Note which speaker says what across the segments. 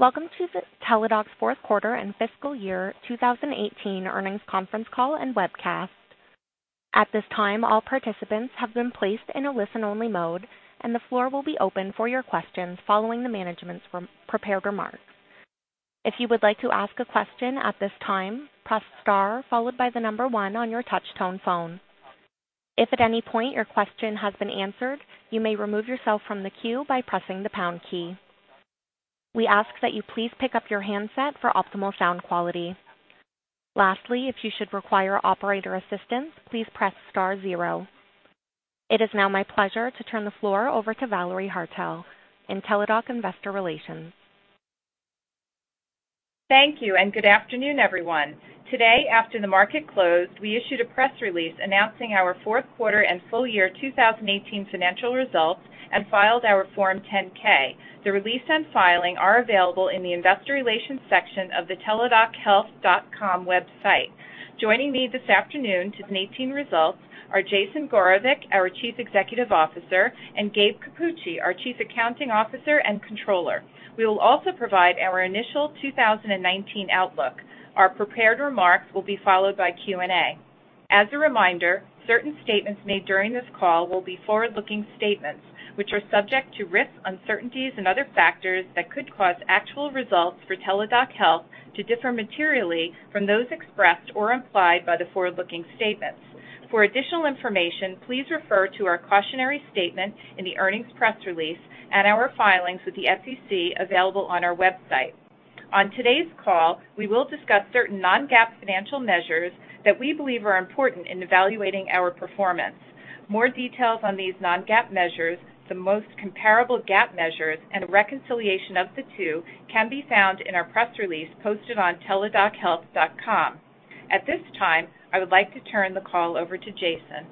Speaker 1: Welcome to Teladoc's Q4 and Fiscal Year 2018 Earnings Conference Call and Webcast. At this time, all participants have been placed in a listen-only mode, and the floor will be open for your questions following the management's prepared remarks. If you would like to ask a question at this time, press *1 on your touch-tone phone. If at any point your question has been answered, you may remove yourself from the queue by pressing the # key. We ask that you please pick up your handset for optimal sound quality. Lastly, if you should require operator assistance, please press *0. It is now my pleasure to turn the floor over to Valerie Haertel in Teladoc Investor Relations.
Speaker 2: Thank you. Good afternoon, everyone. Today, after the market closed, we issued a press release announcing our Q4 and full year 2018 financial results and filed our Form 10-K. The release and filing are available in the Investor Relations section of the teladochealth.com website. Joining me this afternoon to discuss 2018 results are Jason Gorevic, our Chief Executive Officer, and Gabe Cappucci, our Chief Accounting Officer and Controller. We will also provide our initial 2019 outlook. Our prepared remarks will be followed by Q&A. As a reminder, certain statements made during this call will be forward-looking statements, which are subject to risks, uncertainties, and other factors that could cause actual results for Teladoc Health to differ materially from those expressed or implied by the forward-looking statements. For additional information, please refer to our cautionary statement in the earnings press release and our filings with the SEC available on our website. On today's call, we will discuss certain non-GAAP financial measures that we believe are important in evaluating our performance. More details on these non-GAAP measures, the most comparable GAAP measures, and a reconciliation of the two can be found in our press release posted on teladochealth.com. At this time, I would like to turn the call over to Jason.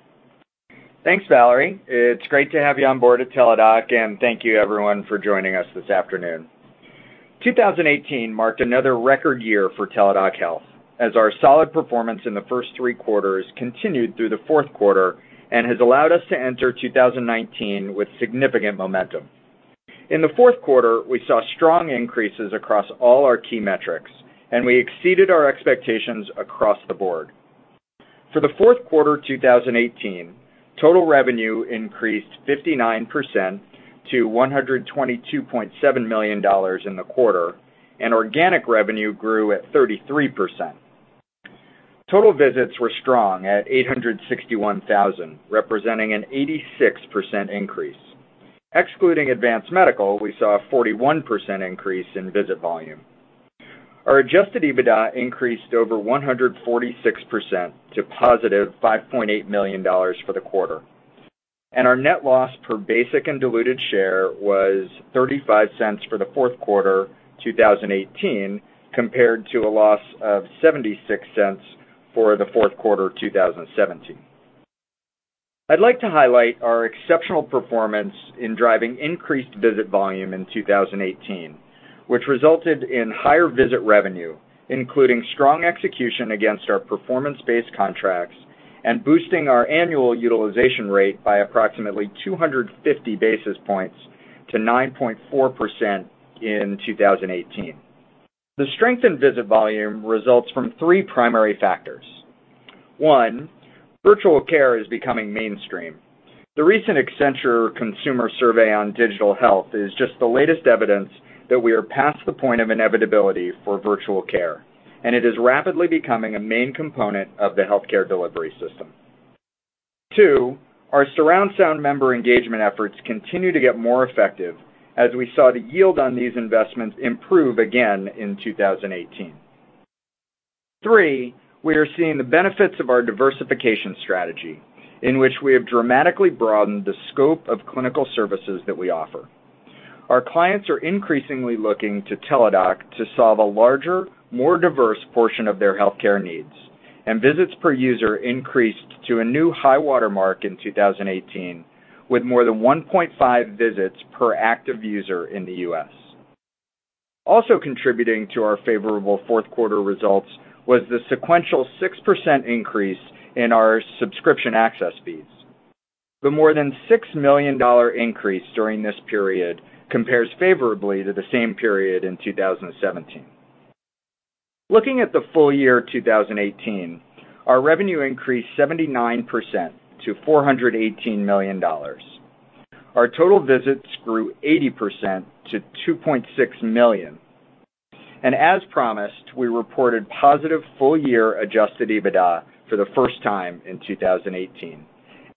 Speaker 3: Thanks, Valerie. It's great to have you on board at Teladoc Health, and thank you everyone for joining us this afternoon. 2018 marked another record year for Teladoc Health as our solid performance in the first three quarters continued through the Q4 and has allowed us to enter 2019 with significant momentum. In the Q4, we saw strong increases across all our key metrics, and we exceeded our expectations across the board. For the Q4 2018, total revenue increased 59% to $122.7 million in the quarter, and organic revenue grew at 33%. Total visits were strong at 861,000, representing an 86% increase. Excluding Advance Medical, we saw a 41% increase in visit volume. Our adjusted EBITDA increased over 146% to positive $5.8 million for the quarter. Our net loss per basic and diluted share was $0.35 for the Q4 2018, compared to a loss of $0.76 for the Q4 2017. I'd like to highlight our exceptional performance in driving increased visit volume in 2018, which resulted in higher visit revenue, including strong execution against our performance-based contracts and boosting our annual utilization rate by approximately 250 basis points to 9.4% in 2018. The strength in visit volume results from three primary factors. One, virtual care is becoming mainstream. The recent Accenture consumer survey on digital health is just the latest evidence that we are past the point of inevitability for virtual care, and it is rapidly becoming a main component of the healthcare delivery system. Two, our surround sound member engagement efforts continue to get more effective, as we saw the yield on these investments improve again in 2018. Three, we are seeing the benefits of our diversification strategy, in which we have dramatically broadened the scope of clinical services that we offer. Our clients are increasingly looking to Teladoc Health to solve a larger, more diverse portion of their healthcare needs, and visits per user increased to a new high water mark in 2018, with more than 1.5 visits per active user in the U.S. Also contributing to our favorable Q4 results was the sequential 6% increase in our subscription access fees. The more than $6 million increase during this period compares favorably to the same period in 2017. Looking at the full year 2018, our revenue increased 79% to $418 million. Our total visits grew 80% to 2.6 million. As promised, we reported positive full year adjusted EBITDA for the first time in 2018,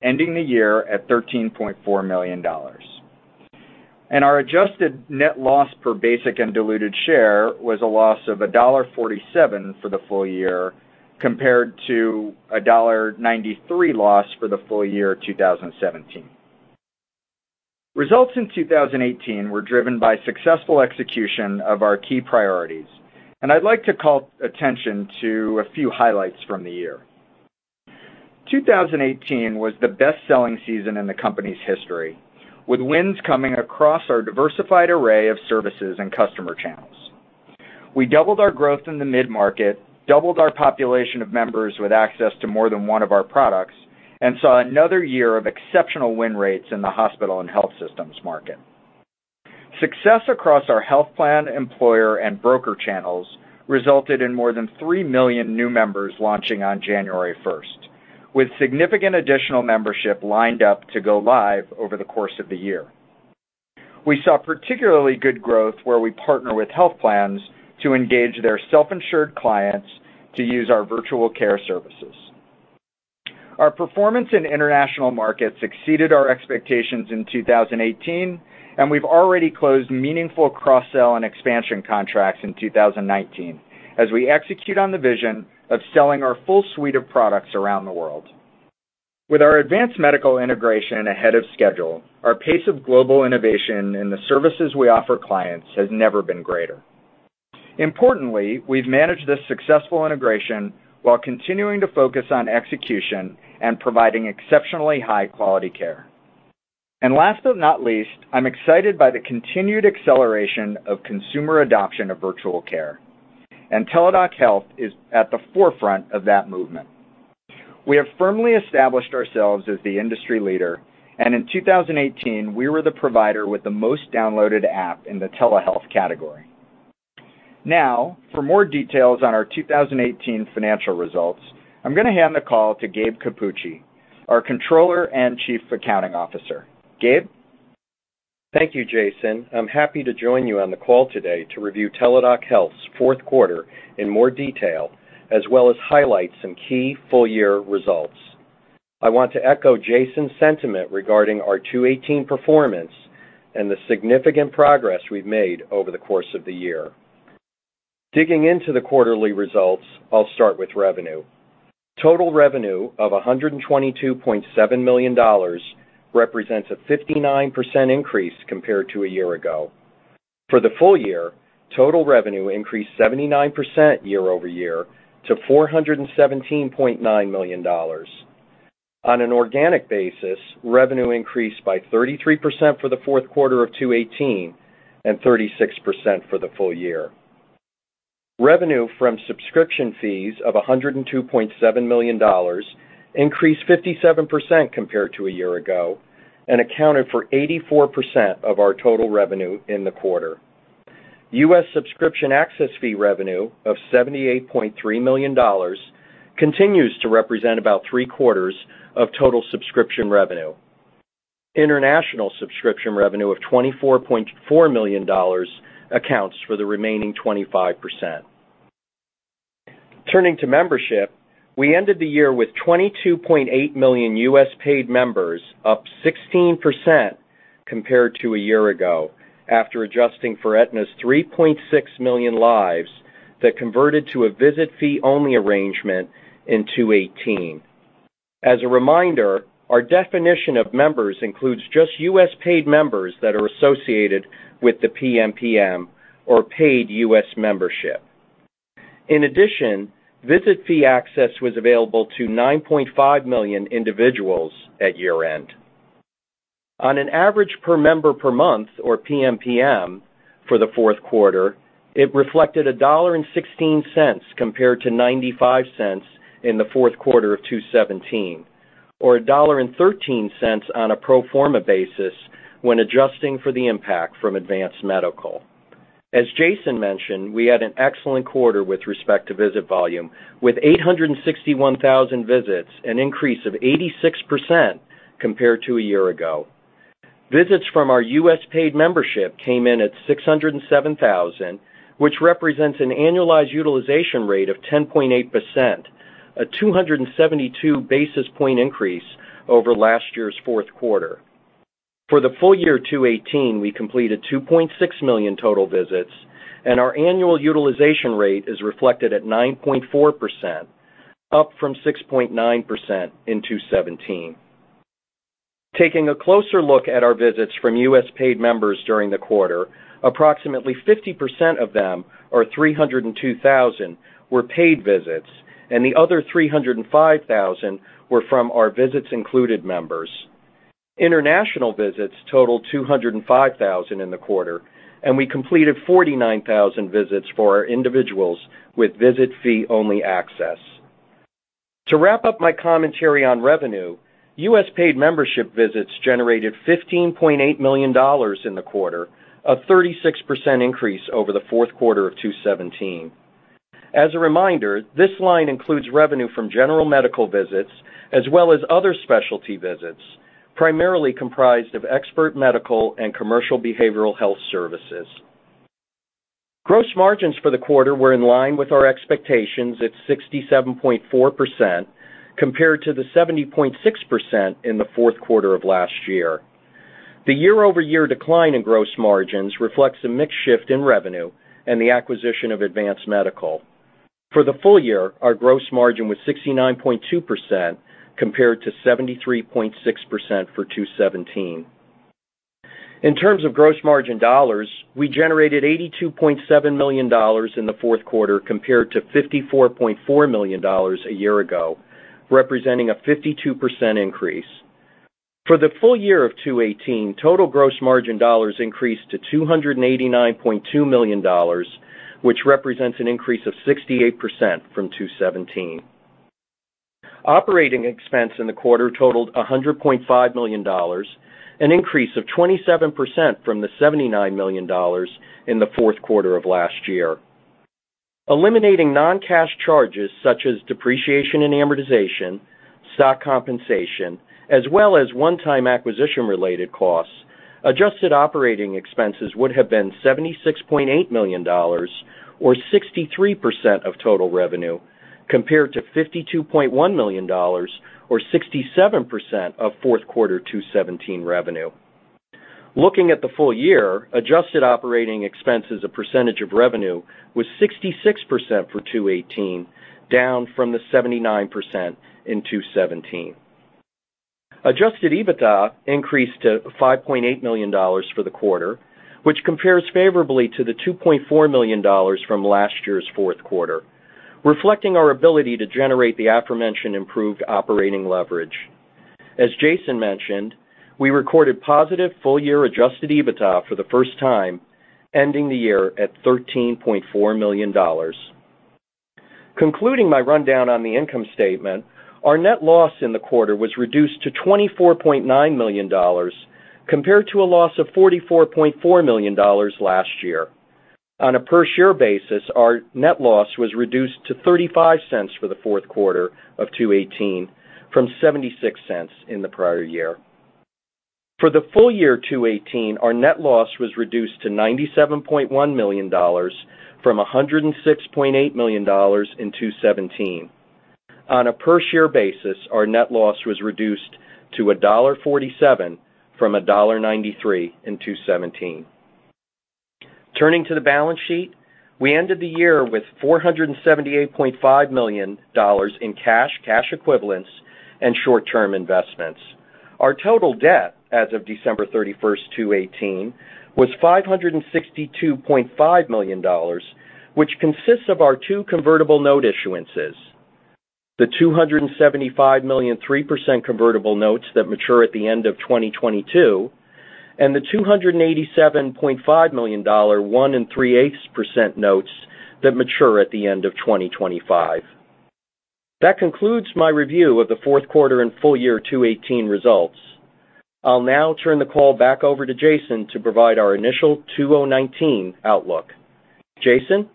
Speaker 3: ending the year at $13.4 million. Our adjusted net loss per basic and diluted share was a loss of $1.47 for the full year, compared to $1.93 loss for the full year 2017. Results in 2018 were driven by successful execution of our key priorities. I'd like to call attention to a few highlights from the year. 2018 was the best-selling season in the company's history, with wins coming across our diversified array of services and customer channels. We doubled our growth in the mid-market, doubled our population of members with access to more than one of our products, and saw another year of exceptional win rates in the hospital and health systems market. Success across our health plan employer and broker channels resulted in more than 3 million new members launching on January 1st, with significant additional membership lined up to go live over the course of the year. We saw particularly good growth where we partner with health plans to engage their self-insured clients to use our virtual care services. Our performance in international markets exceeded our expectations in 2018. We've already closed meaningful cross-sell and expansion contracts in 2019 as we execute on the vision of selling our full suite of products around the world. With our Advanced Medical integration ahead of schedule, our pace of global innovation in the services we offer clients has never been greater. Importantly, we've managed this successful integration while continuing to focus on execution and providing exceptionally high-quality care. Last but not least, I'm excited by the continued acceleration of consumer adoption of virtual care, and Teladoc Health is at the forefront of that movement. We have firmly established ourselves as the industry leader. In 2018, we were the provider with the most downloaded app in the telehealth category. For more details on our 2018 financial results, I'm going to hand the call to Gabe Cappucci, our Controller and Chief Accounting Officer. Gabe?
Speaker 4: Thank you, Jason. I'm happy to join you on the call today to review Teladoc Health's Q4 in more detail, as well as highlight some key full-year results. I want to echo Jason's sentiment regarding our 2018 performance and the significant progress we've made over the course of the year. Digging into the quarterly results, I'll start with revenue. Total revenue of $122.7 million represents a 59% increase compared to a year ago. For the full year, total revenue increased 79% year-over-year to $417.9 million. On an organic basis, revenue increased by 33% for the Q4 of 2018 and 36% for the full year. Revenue from subscription fees of $102.7 million increased 57% compared to a year ago and accounted for 84% of our total revenue in the quarter. U.S. subscription access fee revenue of $78.3 million continues to represent about three-quarters of total subscription revenue. International subscription revenue of $24.4 million accounts for the remaining 25%. Turning to membership, we ended the year with 22.8 million U.S. paid members, up 16% compared to a year ago after adjusting for Aetna's 3.6 million lives that converted to a visit fee-only arrangement in 2018. As a reminder, our definition of members includes just U.S. paid members that are associated with the PMPM or paid U.S. membership. In addition, visit fee access was available to 9.5 million individuals at year-end. On an average per member per month or PMPM for the Q4, it reflected $1.16 compared to $0.95 in the Q4 of 2017, or $1.13 on a pro forma basis when adjusting for the impact from Advance Medical. As Jason mentioned, we had an excellent quarter with respect to visit volume with 861,000 visits, an increase of 86% compared to a year ago. Visits from our U.S. paid membership came in at 607,000, which represents an annualized utilization rate of 10.8%, a 272 basis points increase over last year's Q4. For the full year 2018, we completed 2.6 million total visits. Our annual utilization rate is reflected at 9.4%, up from 6.9% in 2017. Taking a closer look at our visits from U.S. paid members during the quarter, approximately 50% of them or 302,000 were paid visits, and the other 305,000 were from our visits included members. International visits totaled 205,000 in the quarter, and we completed 49,000 visits for our individuals with visit fee-only access. To wrap up my commentary on revenue, U.S. paid membership visits generated $15.8 million in the quarter, a 36% increase over the Q4 of 2017. As a reminder, this line includes revenue from general medical visits as well as other specialty visits, primarily comprised of expert medical and commercial behavioral health services. Gross margins for the quarter were in line with our expectations at 67.4% compared to the 70.6% in the Q4 of last year. The year-over-year decline in gross margins reflects a mix shift in revenue and the acquisition of Advance Medical. For the full year, our gross margin was 69.2% compared to 73.6% for 2017. In terms of gross margin dollars, we generated $82.7 million in the Q4 compared to $54.4 million a year ago, representing a 52% increase. For the full year of 2018, total gross margin dollars increased to $289.2 million, which represents an increase of 68% from 2017. Operating expense in the quarter totaled $100.5 million, an increase of 27% from the $79 million in the Q4 of last year. Eliminating non-cash charges such as depreciation and amortization, stock compensation, as well as one-time acquisition related costs, adjusted operating expenses would have been $76.8 million or 63% of total revenue, compared to $52.1 million or 67% of Q4 2017 revenue. Looking at the full year, adjusted operating expense as a percentage of revenue was 66% for 2018, down from the 79% in 2017. Adjusted EBITDA increased to $5.8 million for the quarter, which compares favorably to the $2.4 million from last year's Q4, reflecting our ability to generate the aforementioned improved operating leverage. As Jason mentioned, we recorded positive full year Adjusted EBITDA for the first time, ending the year at $13.4 million. Concluding my rundown on the income statement, our net loss in the quarter was reduced to $24.9 million, compared to a loss of $44.4 million last year. On a per-share basis, our net loss was reduced to $0.35 for the Q4 of 2018 from $0.76 in the prior year. For the full year 2018, our net loss was reduced to $97.1 million from $106.8 million in 2017. On a per-share basis, our net loss was reduced to $1.47 from $1.93 in 2017. Turning to the balance sheet, we ended the year with $478.5 million in cash equivalents, and short-term investments. Our total debt as of December 31st, 2018, was $562.5 million, which consists of our two convertible note issuances, the $275 million 3% convertible notes that mature at the end of 2022 and the $287.5 million 1.375% notes that mature at the end of 2025. That concludes my review of the Q4 and full year 2018 results. I'll now turn the call back over to Jason to provide our initial 2019 outlook. Jason?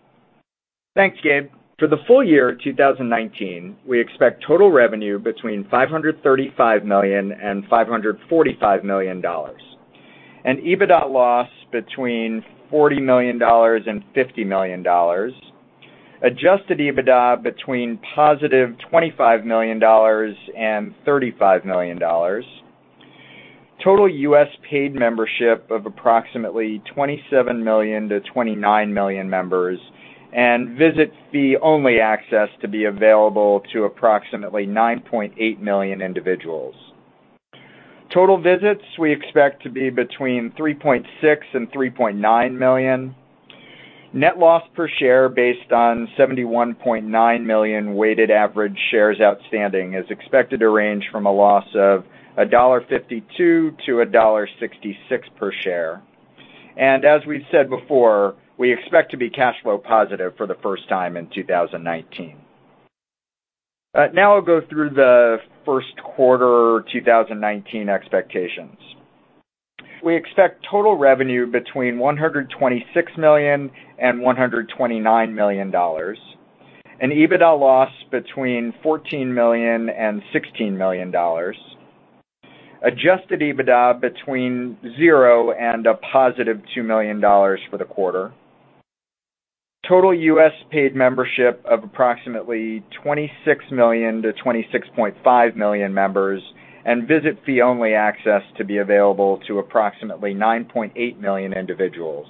Speaker 3: Thanks, Gabe. For the full year 2019, we expect total revenue between $535 million and $545 million, an EBITDA loss between $40 million and $50 million, adjusted EBITDA between positive $25 million and $35 million, total U.S. paid membership of approximately 27 million to 29 million members, and visit fee-only access to be available to approximately 9.8 million individuals. Total visits we expect to be between 3.6 million and 3.9 million. Net loss per share based on 71.9 million weighted average shares outstanding is expected to range from a loss of $1.52 to $1.66 per share. As we've said before, we expect to be cash flow positive for the first time in 2019. I'll go through the Q1 2019 expectations. We expect total revenue between $126 million and $129 million, an EBITDA loss between $14 million and $16 million, adjusted EBITDA between zero and a positive $2 million for the quarter, total U.S. paid membership of approximately 26 million to 26.5 million members, and visit fee-only access to be available to approximately 9.8 million individuals.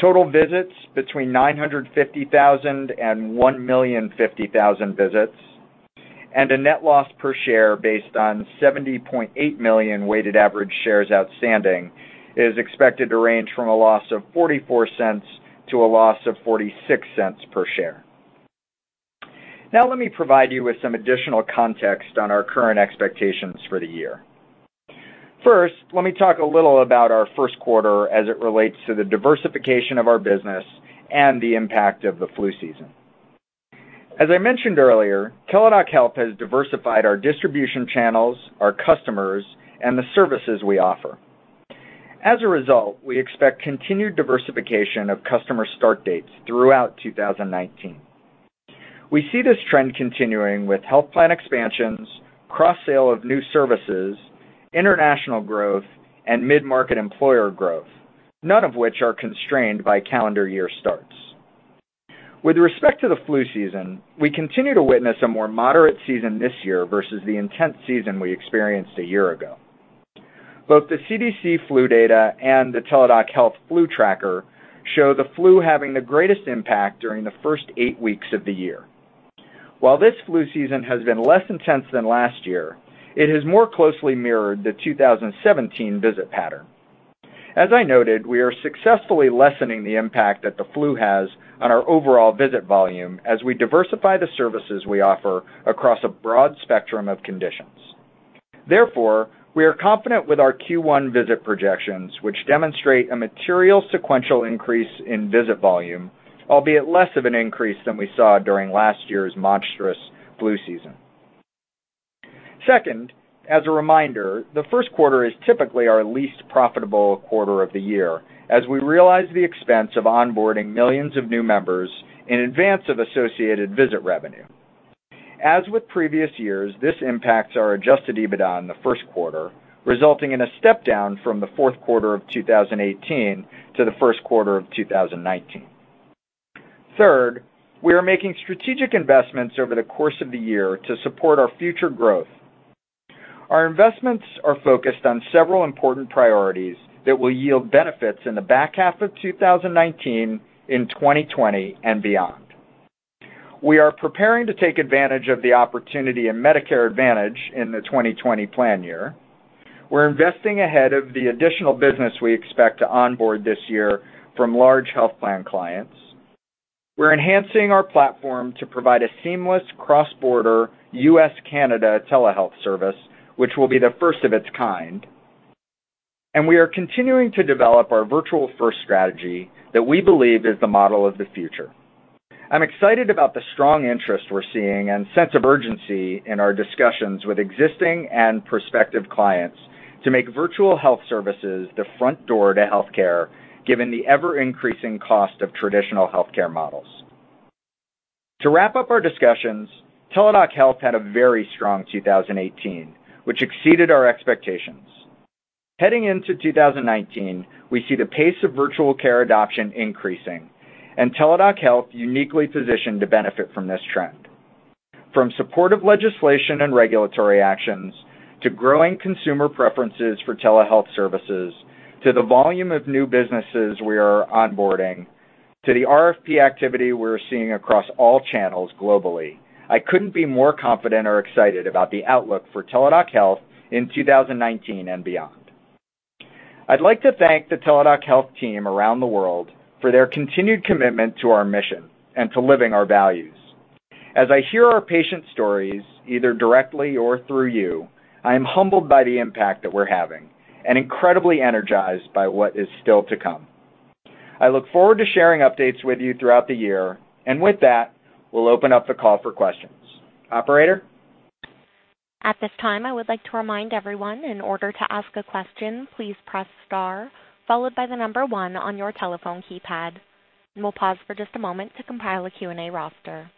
Speaker 3: Total visits between 950,000 and 1,050,000 visits, a net loss per share based on 70.8 million weighted average shares outstanding is expected to range from a loss of $0.44 to a loss of $0.46 per share. Let me provide you with some additional context on our current expectations for the year. Let me talk a little about our Q1 as it relates to the diversification of our business and the impact of the flu season. As I mentioned earlier, Teladoc Health has diversified our distribution channels, our customers, and the services we offer. As a result, we expect continued diversification of customer start dates throughout 2019. We see this trend continuing with health plan expansions, cross-sale of new services, international growth, and mid-market employer growth, none of which are constrained by calendar year starts. With respect to the flu season, we continue to witness a more moderate season this year versus the intense season we experienced a year ago. Both the CDC flu data and the Teladoc Health Flu Tracker show the flu having the greatest impact during the first eight weeks of the year. While this flu season has been less intense than last year, it has more closely mirrored the 2017 visit pattern. As I noted, we are successfully lessening the impact that the flu has on our overall visit volume as we diversify the services we offer across a broad spectrum of conditions. Therefore, we are confident with our Q1 visit projections, which demonstrate a material sequential increase in visit volume, albeit less of an increase than we saw during last year's monstrous flu season. As a reminder, the Q1 is typically our least profitable quarter of the year as we realize the expense of onboarding millions of new members in advance of associated visit revenue. As with previous years, this impacts our adjusted EBITDA in the Q1, resulting in a step down from the Q4 of 2018 to the Q1 of 2019. Third, we are making strategic investments over the course of the year to support our future growth. Our investments are focused on several important priorities that will yield benefits in the back half of 2019, in 2020, and beyond. We are preparing to take advantage of the opportunity in Medicare Advantage in the 2020 plan year. We're investing ahead of the additional business we expect to onboard this year from large health plan clients. We're enhancing our platform to provide a seamless cross-border U.S.-Canada telehealth service, which will be the first of its kind. We are continuing to develop our Virtual First strategy that we believe is the model of the future. I'm excited about the strong interest we're seeing and sense of urgency in our discussions with existing and prospective clients to make virtual health services the front door to healthcare, given the ever-increasing cost of traditional healthcare models. To wrap up our discussions, Teladoc Health had a very strong 2018, which exceeded our expectations. Heading into 2019, we see the pace of virtual care adoption increasing and Teladoc Health uniquely positioned to benefit from this trend. From supportive legislation and regulatory actions, to growing consumer preferences for telehealth services, to the volume of new businesses we are onboarding, to the RFP activity we're seeing across all channels globally, I couldn't be more confident or excited about the outlook for Teladoc Health in 2019 and beyond. I'd like to thank the Teladoc Health team around the world for their continued commitment to our mission and to living our values. As I hear our patient stories, either directly or through you, I am humbled by the impact that we're having and incredibly energized by what is still to come. I look forward to sharing updates with you throughout the year. With that, we'll open up the call for questions. Operator?
Speaker 1: At this time, I would like to remind everyone, in order to ask a question, please press *1 on your telephone keypad. We'll pause for just a moment to compile a Q&A roster.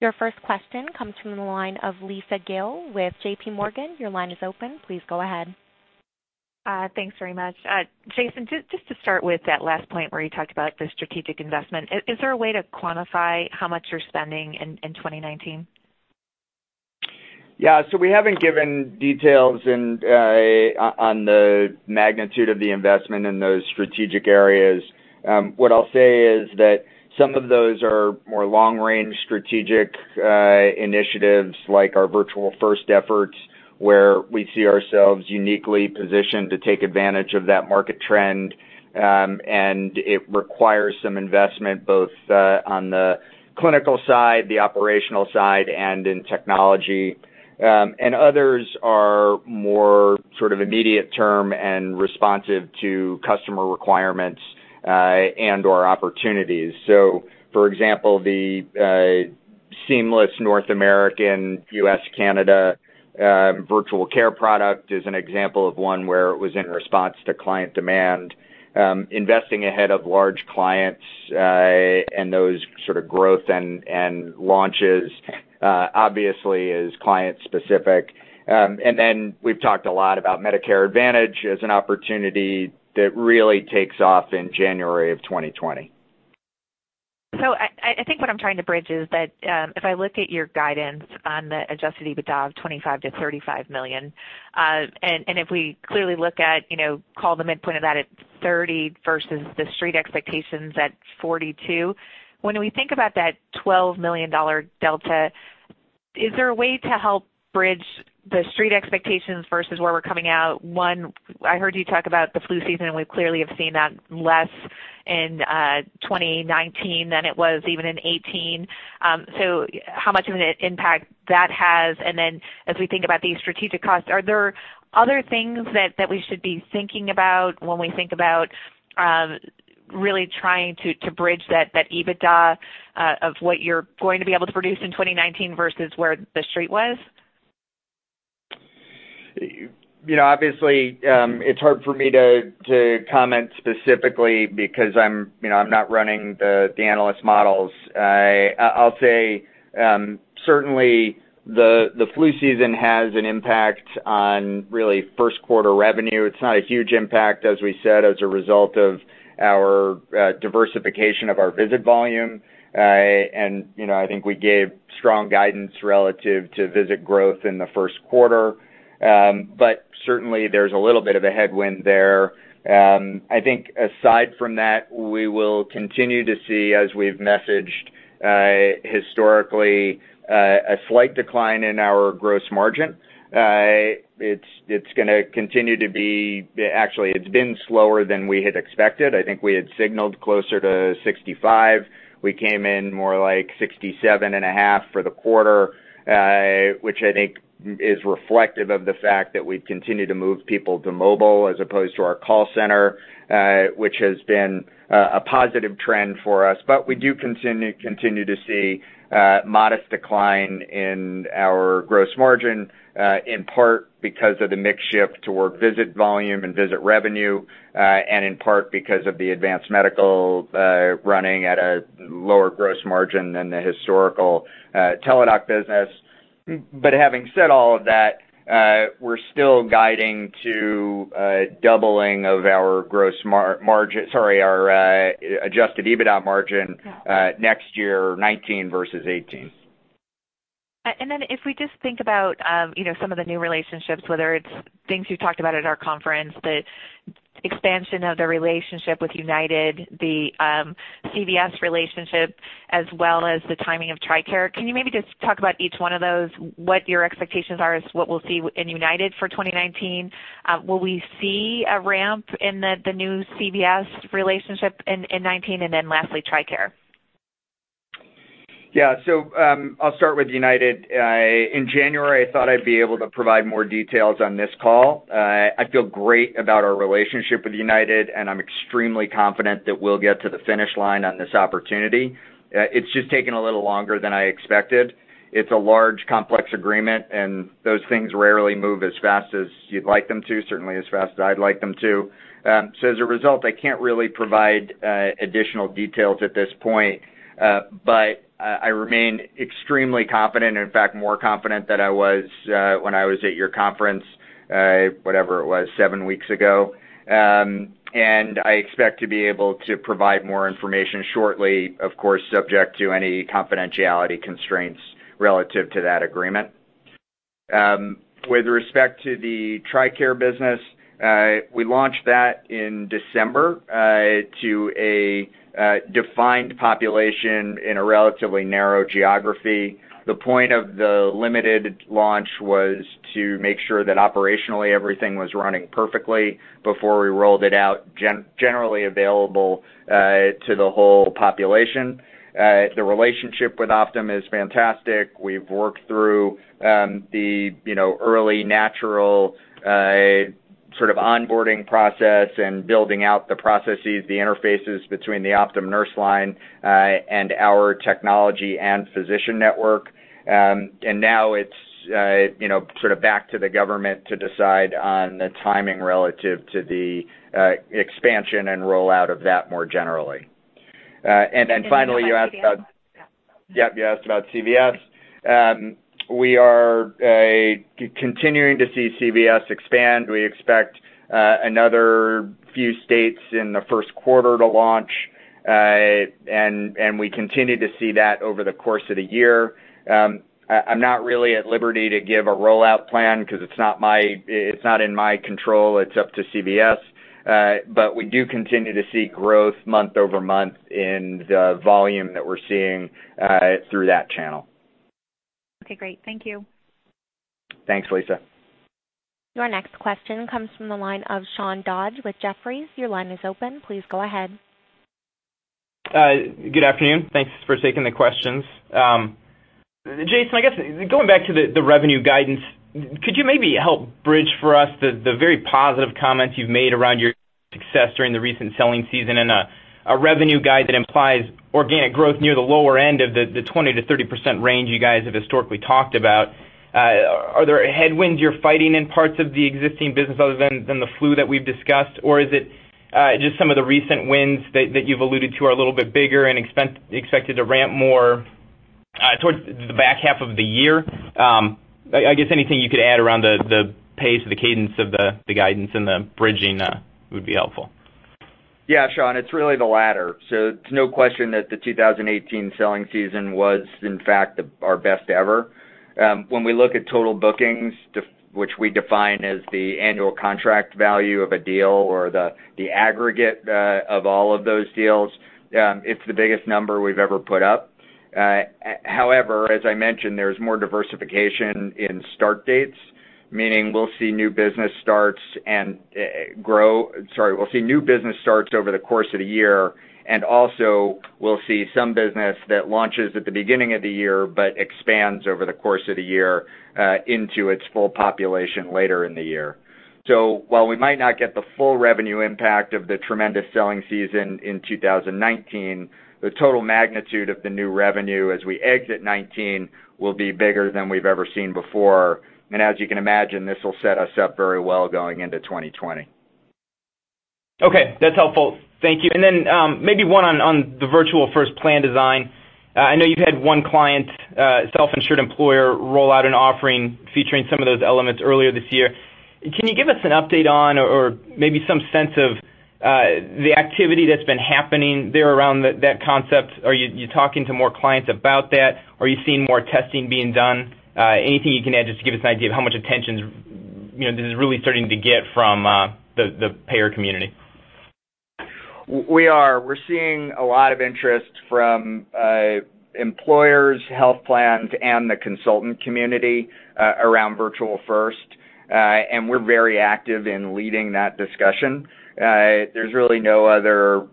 Speaker 1: Your first question comes from the line of Lisa Gill with JPMorgan. Your line is open. Please go ahead.
Speaker 5: Thanks very much. Jason, just to start with that last point where you talked about the strategic investment. Is there a way to quantify how much you're spending in 2019?
Speaker 3: Yeah. We haven't given details on the magnitude of the investment in those strategic areas. What I'll say is that some of those are more long-range strategic initiatives, like our Virtual First efforts, where we see ourselves uniquely positioned to take advantage of that market trend. It requires some investment both on the clinical side, the operational side, and in technology. Others are more sort of immediate term and responsive to customer requirements, and/or opportunities. For example, the seamless North American U.S.-Canada virtual care product is an example of one where it was in response to client demand. Investing ahead of large clients, and those sort of growth and launches, obviously is client specific. Then we've talked a lot about Medicare Advantage as an opportunity that really takes off in January of 2020.
Speaker 5: I think what I'm trying to bridge is that, if I look at your guidance on the adjusted EBITDA of $25 million-$35 million, and if we clearly look at call the midpoint of that at $30 versus the street expectations at $42. When we think about that $12 million delta, is there a way to help bridge the street expectations versus where we're coming out? One, I heard you talk about the flu season, and we clearly have seen that less in 2019 than it was even in 2018. How much of an impact that has? Then as we think about these strategic costs, are there other things that we should be thinking about when we think about really trying to bridge that EBITDA, of what you're going to be able to produce in 2019 versus where the street was?
Speaker 3: Obviously, it's hard for me to comment specifically because I'm not running the analyst models. I'll say certainly the flu season has an impact on really Q1 revenue. It's not a huge impact, as we said, as a result of our diversification of our visit volume. I think we gave strong guidance relative to visit growth in the Q1. Certainly there's a little bit of a headwind there. I think aside from that, we will continue to see, as we've messaged historically, a slight decline in our gross margin. It's going to continue to be, actually, it's been slower than we had expected. I think we had signaled closer to 65%. We came in more like 67.5% For the quarter, which I think is reflective of the fact that we've continued to move people to mobile as opposed to our call center, which has been a positive trend for us. We do continue to see a modest decline in our gross margin, in part because of the mix shift toward visit volume and visit revenue, and in part because of the Advance Medical running at a lower gross margin than the historical Teladoc business. Having said all of that, we're still guiding to a doubling of our gross margin, sorry, our adjusted EBITDA margin next year, 2019 versus 2018.
Speaker 5: If we just think about some of the new relationships, whether it's things you talked about at our conference, the expansion of the relationship with United, the CVS relationship, as well as the timing of TRICARE, can you maybe just talk about each one of those, what your expectations are as to what we'll see in United for 2019? Will we see a ramp in the new CVS relationship in 2019? Lastly, TRICARE.
Speaker 3: Yeah. I'll start with United. In January, I thought I'd be able to provide more details on this call. I feel great about our relationship with United, I'm extremely confident that we'll get to the finish line on this opportunity. It's just taking a little longer than I expected. It's a large, complex agreement, those things rarely move as fast as you'd like them to, certainly as fast as I'd like them to. As a result, I can't really provide additional details at this point. I remain extremely confident, in fact, more confident than I was when I was at your conference, whatever it was, seven weeks ago. I expect to be able to provide more information shortly, of course, subject to any confidentiality constraints relative to that agreement. With respect to the TRICARE business, we launched that in December to a defined population in a relatively narrow geography. The point of the limited launch was to make sure that operationally, everything was running perfectly before we rolled it out generally available to the whole population. The relationship with Optum is fantastic. We've worked through the early natural sort of onboarding process and building out the processes, the interfaces between the Optum nurse line and our technology and physician network. Now it's back to the government to decide on the timing relative to the expansion and rollout of that more generally. Finally, you asked about about CVS We are continuing to see CVS expand. We expect another few states in the Q1 to launch, and we continue to see that over the course of the year. I'm not really at liberty to give a rollout plan because it's not in my control. It's up to CVS. We do continue to see growth month-over-month in the volume that we're seeing through that channel.
Speaker 5: Okay, great. Thank you.
Speaker 3: Thanks, Lisa.
Speaker 1: Your next question comes from the line of Sean Dodge with Jefferies. Your line is open. Please go ahead.
Speaker 6: Good afternoon. Thanks for taking the questions. Jason, I guess, going back to the revenue guidance, could you maybe help bridge for us the very positive comments you've made around your success during the recent selling season and a revenue guide that implies organic growth near the lower end of the 20%-30% range you guys have historically talked about. Are there headwinds you're fighting in parts of the existing business other than the flu that we've discussed, or is it just some of the recent wins that you've alluded to are a little bit bigger and expected to ramp more towards the back half of the year? I guess anything you could add around the pace or the cadence of the guidance and the bridging would be helpful.
Speaker 3: Yeah, Sean, it's really the latter. It's no question that the 2018 selling season was, in fact, our best ever. When we look at total bookings, which we define as the annual contract value of a deal or the aggregate of all of those deals, it's the biggest number we've ever put up. As I mentioned, there's more diversification in start dates, meaning we'll see new business starts, sorry, we'll see new business starts over the course of the year, and also we'll see some business that launches at the beginning of the year, but expands over the course of the year into its full population later in the year. While we might not get the full revenue impact of the tremendous selling season in 2019, the total magnitude of the new revenue as we exit 2019 will be bigger than we've ever seen before. As you can imagine, this will set us up very well going into 2020.
Speaker 6: Okay, that's helpful. Thank you. Maybe one on the Virtual First plan design. I know you've had one client, a self-insured employer, roll out an offering featuring some of those elements earlier this year. Can you give us an update on or maybe some sense of the activity that's been happening there around that concept? Are you talking to more clients about that? Are you seeing more testing being done? Anything you can add just to give us an idea of how much attention this is really starting to get from the payer community?
Speaker 3: We are. We're seeing a lot of interest from employers, health plans, and the consultant community around Virtual First. We're very active in leading that discussion. There's really no other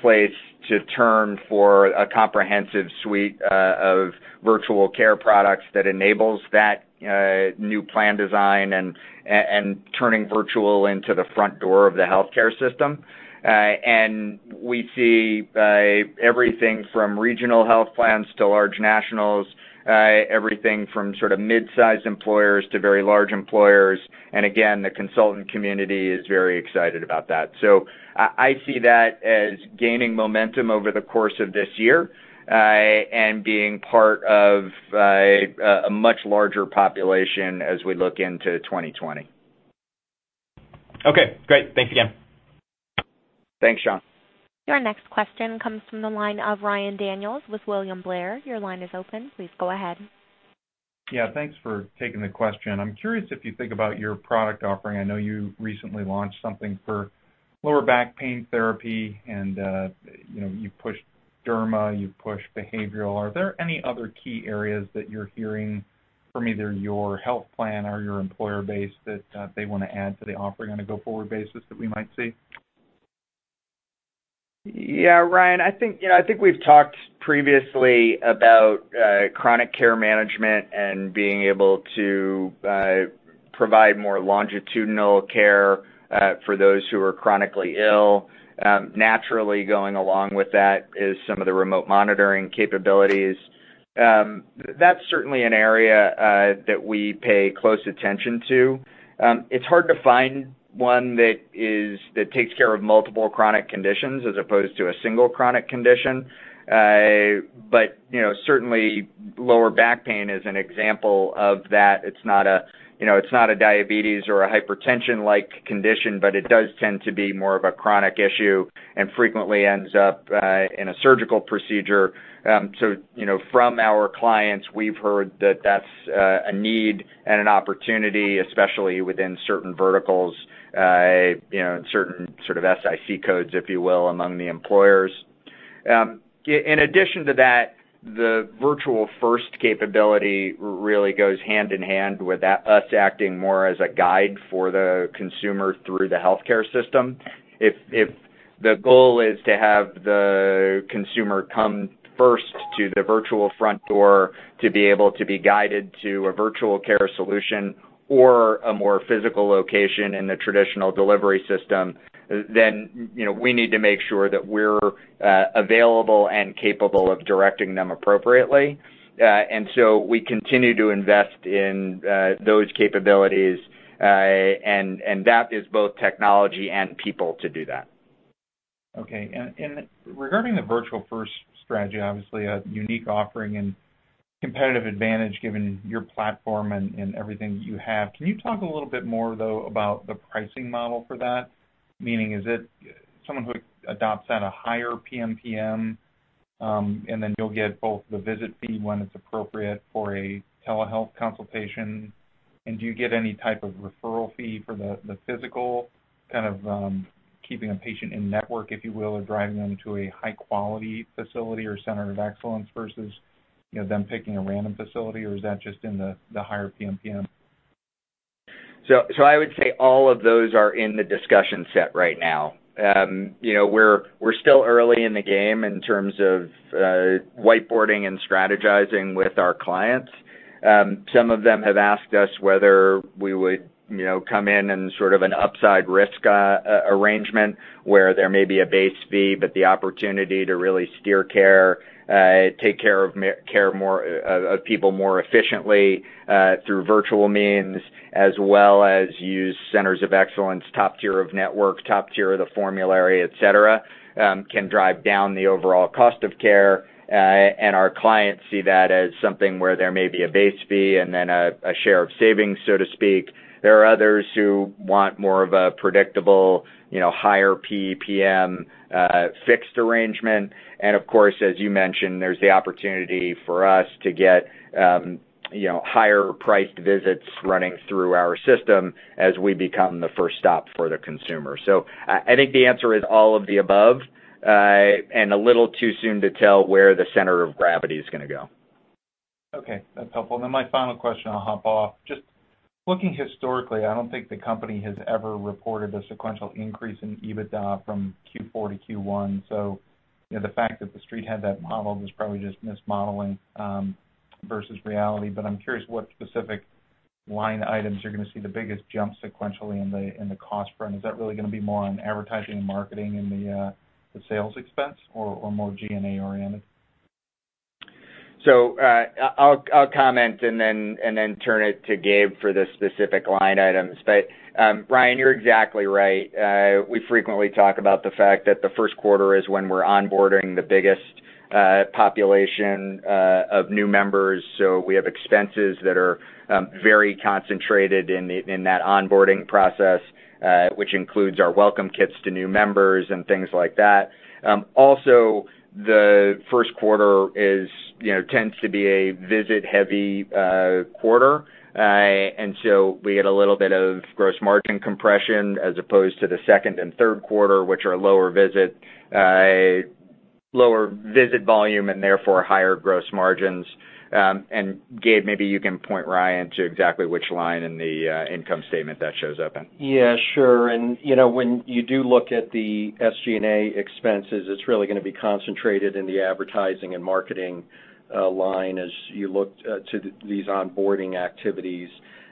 Speaker 3: place to turn for a comprehensive suite of virtual care products that enables that new plan design and turning virtual into the front door of the healthcare system. We see everything from regional health plans to large nationals, everything from mid-size employers to very large employers. The consultant community is very excited about that. I see that as gaining momentum over the course of this year, and being part of a much larger population as we look into 2020.
Speaker 6: Okay, great. Thanks again.
Speaker 3: Thanks, Sean.
Speaker 1: Your next question comes from the line of Ryan Daniels with William Blair. Your line is open. Please go ahead.
Speaker 7: Yeah. Thanks for taking the question. I'm curious if you think about your product offering. I know you recently launched something for lower back pain therapy and you've pushed derma, you've pushed behavioral. Are there any other key areas that you're hearing from either your health plan or your employer base that they want to add to the offering on a go-forward basis that we might see?
Speaker 3: Yeah, Ryan, I think we've talked previously about chronic care management and being able to provide more longitudinal care for those who are chronically ill. Naturally, going along with that is some of the remote monitoring capabilities. That's certainly an area that we pay close attention to. It's hard to find one that takes care of multiple chronic conditions as opposed to a single chronic condition. Certainly, lower back pain is an example of that. It's not a diabetes or a hypertension-like condition, but it does tend to be more of a chronic issue and frequently ends up in a surgical procedure. From our clients, we've heard that that's a need and an opportunity, especially within certain verticals, certain SIC codes, if you will, among the employers. In addition to that, the Virtual First capability really goes hand in hand with us acting more as a guide for the consumer through the healthcare system. If the goal is to have the consumer come first to the virtual front door to be able to be guided to a virtual care solution or a more physical location in the traditional delivery system, then we need to make sure that we're available and capable of directing them appropriately. We continue to invest in those capabilities, and that is both technology and people to do that.
Speaker 7: Okay. Regarding the Virtual First strategy, obviously a unique offering and competitive advantage given your platform and everything you have. Can you talk a little bit more, though, about the pricing model for that? Meaning, is it someone who adopts at a higher PMPM, and then you'll get both the visit fee when it's appropriate for a telehealth consultation? Do you get any type of referral fee for the physical, kind of keeping a patient in-network, if you will, or driving them to a high-quality facility or center of excellence versus them picking a random facility, or is that just in the higher PMPM?
Speaker 3: I would say all of those are in the discussion set right now. We're still early in the game in terms of whiteboarding and strategizing with our clients. Some of them have asked us whether we would come in in sort of an upside risk arrangement where there may be a base fee, but the opportunity to really steer care, take care of people more efficiently, through virtual means, as well as use centers of excellence, top tier of network, top tier of the formulary, et cetera, can drive down the overall cost of care. Our clients see that as something where there may be a base fee and then a share of savings, so to speak. There are others who want more of a predictable higher PEPM, fixed arrangement. Of course, as you mentioned, there's the opportunity for us to get higher priced visits running through our system as we become the first stop for the consumer. I think the answer is all of the above, and a little too soon to tell where the center of gravity is going to go.
Speaker 7: Okay. That's helpful. My final question, I'll hop off. Just looking historically, I don't think the company has ever reported a sequential increase in EBITDA from Q4 to Q1. The fact that The Street had that model was probably just mismodeling versus reality. I'm curious what specific line items you're going to see the biggest jump sequentially in the cost front. Is that really going to be more on advertising and marketing in the sales expense or more G&A oriented?
Speaker 3: I'll comment, then turn it to Gabe for the specific line items. Ryan, you're exactly right. We frequently talk about the fact that the Q1 is when we're onboarding the biggest population of new members. We have expenses that are very concentrated in that onboarding process, which includes our welcome kits to new members and things like that. Also, the Q1 tends to be a visit-heavy quarter. We had a little bit of gross margin compression as opposed to the Q2 and Q3, which are lower visit volume and therefore higher gross margins. Gabe, maybe you can point Ryan to exactly which line in the income statement that shows up in.
Speaker 4: Yeah, sure. When you do look at the SG&A expenses, it's really going to be concentrated in the advertising and marketing line as you look to these onboarding activities.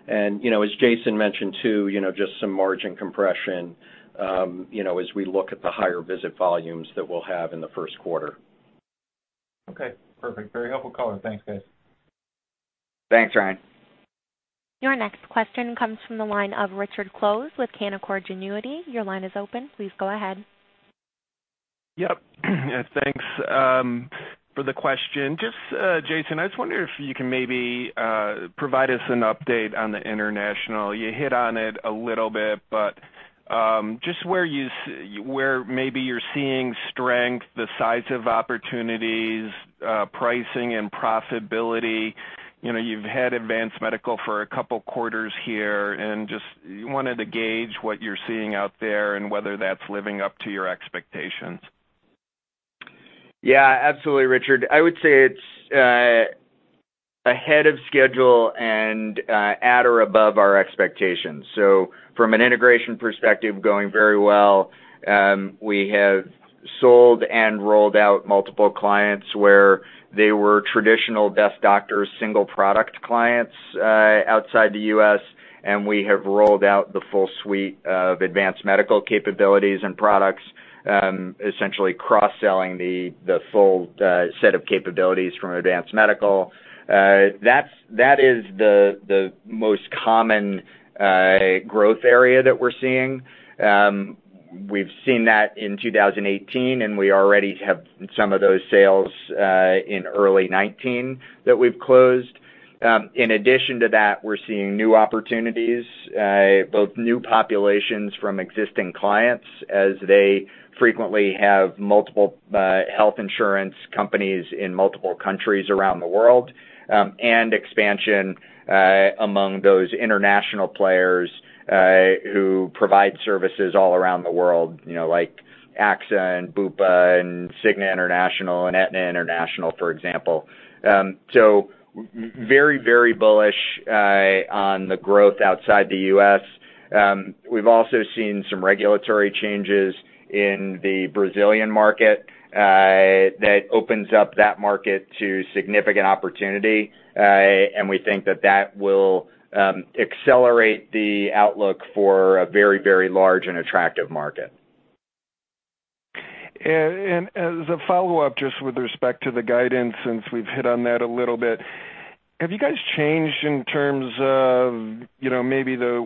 Speaker 4: As Jason mentioned too, just some margin compression, as we look at the higher visit volumes that we'll have in the Q1.
Speaker 7: Okay, perfect. Very helpful color. Thanks, guys.
Speaker 3: Thanks, Ryan.
Speaker 1: Your next question comes from the line of Richard Close with Canaccord Genuity. Your line is open. Please go ahead.
Speaker 8: Yep. Thanks for the question. Jason, I was wondering if you can maybe provide us an update on the international. You hit on it a little bit, but just where maybe you're seeing strength, the size of opportunities, pricing, and profitability. You've had Advance Medical for a couple of quarters here, and just wanted to gauge what you're seeing out there and whether that's living up to your expectations.
Speaker 3: Yeah, absolutely, Richard. I would say it's ahead of schedule and at or above our expectations. From an integration perspective, going very well. We have sold and rolled out multiple clients where they were traditional Best Doctors single product clients outside the U.S., and we have rolled out the full suite of Advance Medical capabilities and products, essentially cross-selling the full set of capabilities from Advance Medical. That is the most common growth area that we're seeing. We've seen that in 2018, and we already have some of those sales in early 2019 that we've closed. In addition to that, we're seeing new opportunities, both new populations from existing clients as they frequently have multiple health insurance companies in multiple countries around the world, and expansion among those international players who provide services all around the world like AXA and Bupa and Cigna International and Aetna International, for example. Very bullish on the growth outside the U.S. We've also seen some regulatory changes in the Brazilian market that opens up that market to significant opportunity, and we think that that will accelerate the outlook for a very large and attractive market.
Speaker 8: As a follow-up, just with respect to the guidance, since we've hit on that a little bit, have you guys changed in terms of maybe the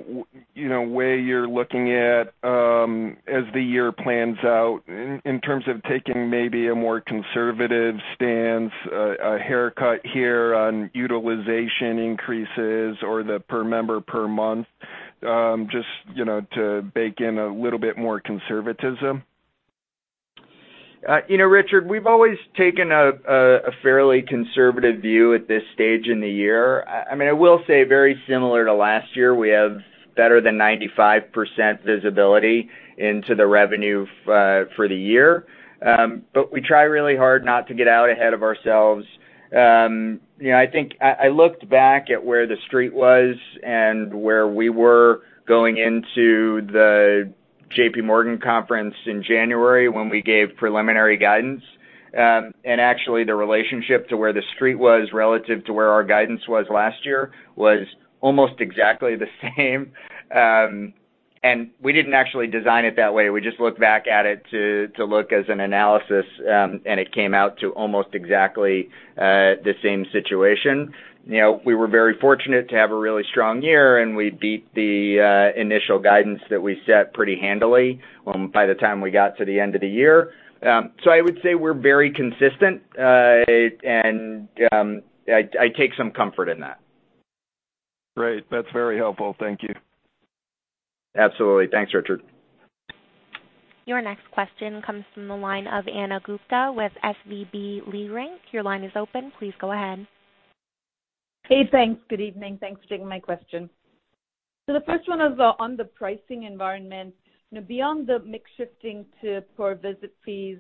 Speaker 8: way you're looking at as the year plans out in terms of taking maybe a more conservative stance, a haircut here on utilization increases or the per member per month, just to bake in a little bit more conservatism?
Speaker 3: Richard, we've always taken a fairly conservative view at this stage in the year. I will say very similar to last year, we have better than 95% visibility into the revenue for the year. We try really hard not to get out ahead of ourselves. I looked back at where the Wall Street was and where we were going into the JPMorgan conference in January when we gave preliminary guidance. Actually, the relationship to where the Wall Street was relative to where our guidance was last year was almost exactly the same. We didn't actually design it that way. We just looked back at it to look as an analysis, and it came out to almost exactly the same situation. We were very fortunate to have a really strong year, and we beat the initial guidance that we set pretty handily by the time we got to the end of the year. I would say we're very consistent, and I take some comfort in that.
Speaker 8: Great. That's very helpful. Thank you.
Speaker 3: Absolutely. Thanks, Richard.
Speaker 1: Your next question comes from the line of Ana Gupte with SVB Leerink. Your line is open. Please go ahead.
Speaker 9: Hey, thanks. Good evening. Thanks for taking my question. The first one is on the pricing environment. Beyond the mix shifting to core visit fees,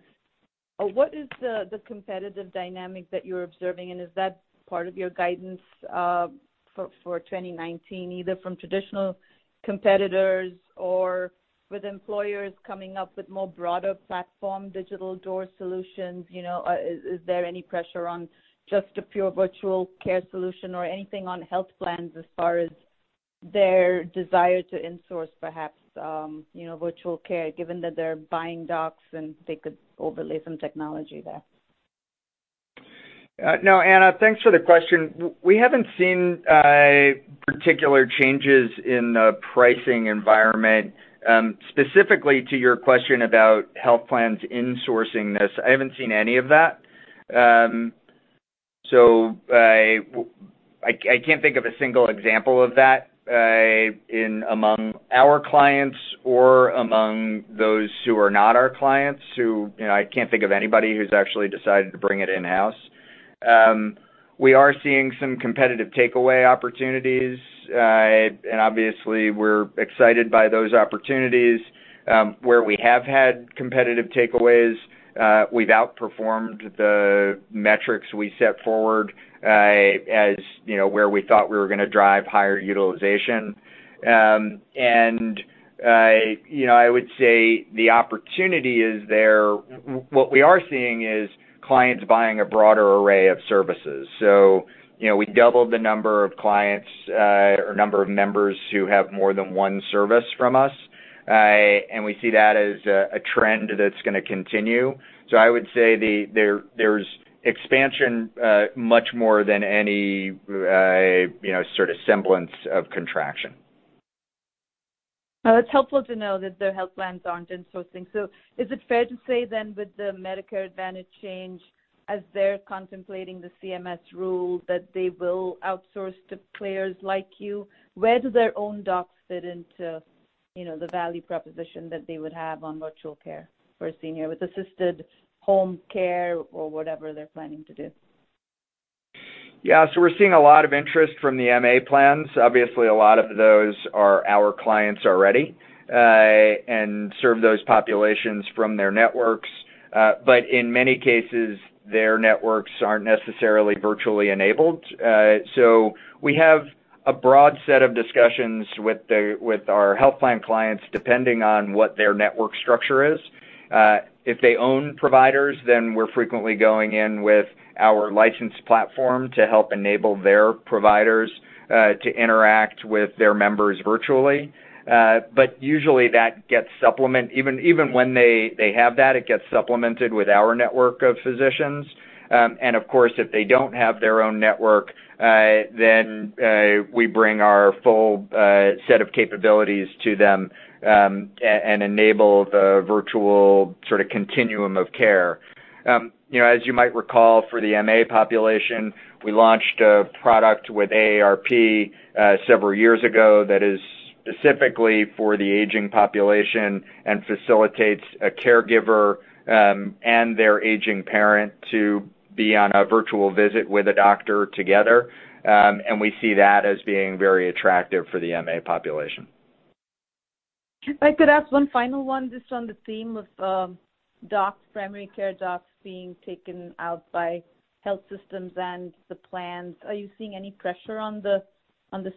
Speaker 9: what is the competitive dynamic that you're observing? Is that part of your guidance for 2019, either from traditional competitors or with employers coming up with more broader platform digital door solutions? Is there any pressure on just a pure virtual care solution or anything on health plans as far as their desire to insource, perhaps, virtual care, given that they're buying docs and they could overlay some technology there?
Speaker 3: Ana, thanks for the question. We haven't seen particular changes in the pricing environment. Specifically to your question about health plans insourcing this, I haven't seen any of that. I can't think of a single example of that in among our clients or among those who are not our clients. I can't think of anybody who's actually decided to bring it in-house. We are seeing some competitive takeaway opportunities. Obviously, we're excited by those opportunities. Where we have had competitive takeaways, we've outperformed the metrics we set forward, as where we thought we were going to drive higher utilization. I would say the opportunity is there. What we are seeing is clients buying a broader array of services. We doubled the number of clients, or number of members who have more than one service from us. We see that as a trend that's going to continue. I would say there's expansion much more than any semblance of contraction.
Speaker 9: That's helpful to know that their health plans aren't insourcing. Is it fair to say then, with the Medicare Advantage change, as they're contemplating the CMS rule, that they will outsource to players like you? Where do their own docs fit into the value proposition that they would have on virtual care for senior, with assisted home care or whatever they're planning to do?
Speaker 3: We're seeing a lot of interest from the MA plans. Obviously, a lot of those are our clients already, and serve those populations from their networks. In many cases, their networks aren't necessarily virtually enabled. We have a broad set of discussions with our health plan clients, depending on what their network structure is. If they own providers, then we're frequently going in with our licensed platform to help enable their providers to interact with their members virtually. Usually that gets supplemented. Even when they have that, it gets supplemented with our network of physicians. Of course, if they don't have their own network, then we bring our full set of capabilities to them, and enable the virtual continuum of care. As you might recall, for the MA population, we launched a product with AARP, several years ago that is specifically for the aging population, and facilitates a caregiver, and their aging parent to be on a virtual visit with a doctor together. We see that as being very attractive for the MA population.
Speaker 9: If I could ask one final one, just on the theme of primary care docs being taken out by health systems and the plans. Are you seeing any pressure on the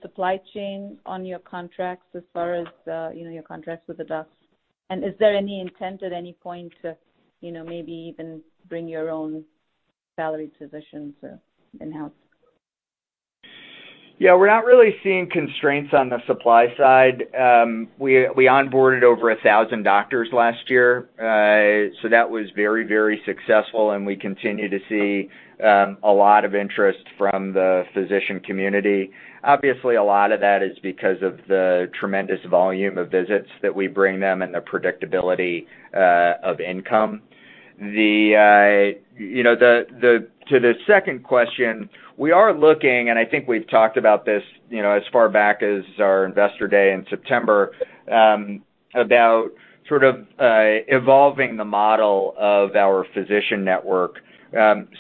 Speaker 9: supply chain on your contracts as far as your contracts with the docs? Is there any intent at any point to maybe even bring your own salaried physicians in-house?
Speaker 3: Yeah. We're not really seeing constraints on the supply side. We onboarded over 1,000 doctors last year. That was very successful, and we continue to see a lot of interest from the physician community. Obviously, a lot of that is because of the tremendous volume of visits that we bring them and the predictability of income. To the second question, we are looking, and I think we've talked about this as far back as our Investor Day in September, about evolving the model of our physician network,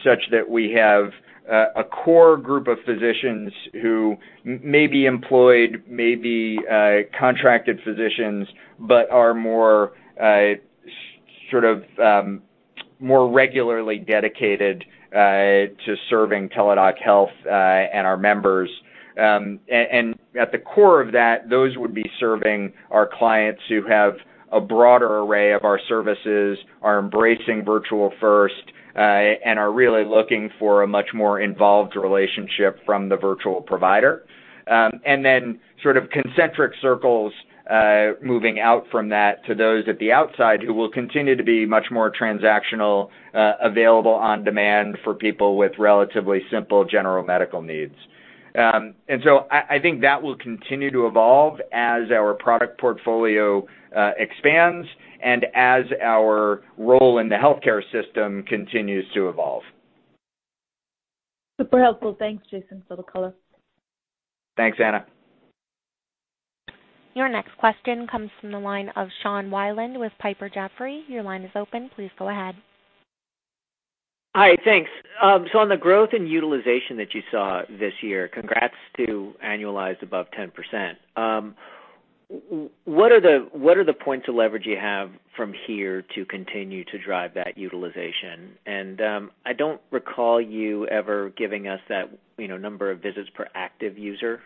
Speaker 3: such that we have a core group of physicians who may be employed, may be contracted physicians, but are more regularly dedicated to serving Teladoc Health and our members. At the core of that, those would be serving our clients who have a broader array of our services, are embracing Virtual First, and are really looking for a much more involved relationship from the virtual provider. Concentric circles, moving out from that to those at the outside who will continue to be much more transactional, available on demand for people with relatively simple general medical needs. I think that will continue to evolve as our product portfolio expands and as our role in the healthcare system continues to evolve.
Speaker 9: Super helpful. Thanks, Jason, for the color.
Speaker 3: Thanks, Ana.
Speaker 1: Your next question comes from the line of Sean Wieland with Piper Jaffray. Your line is open. Please go ahead.
Speaker 10: Hi, thanks. On the growth and utilization that you saw this year, congrats to annualized above 10%. What are the points of leverage you have from here to continue to drive that utilization? I don't recall you ever giving us that number of visits per active user,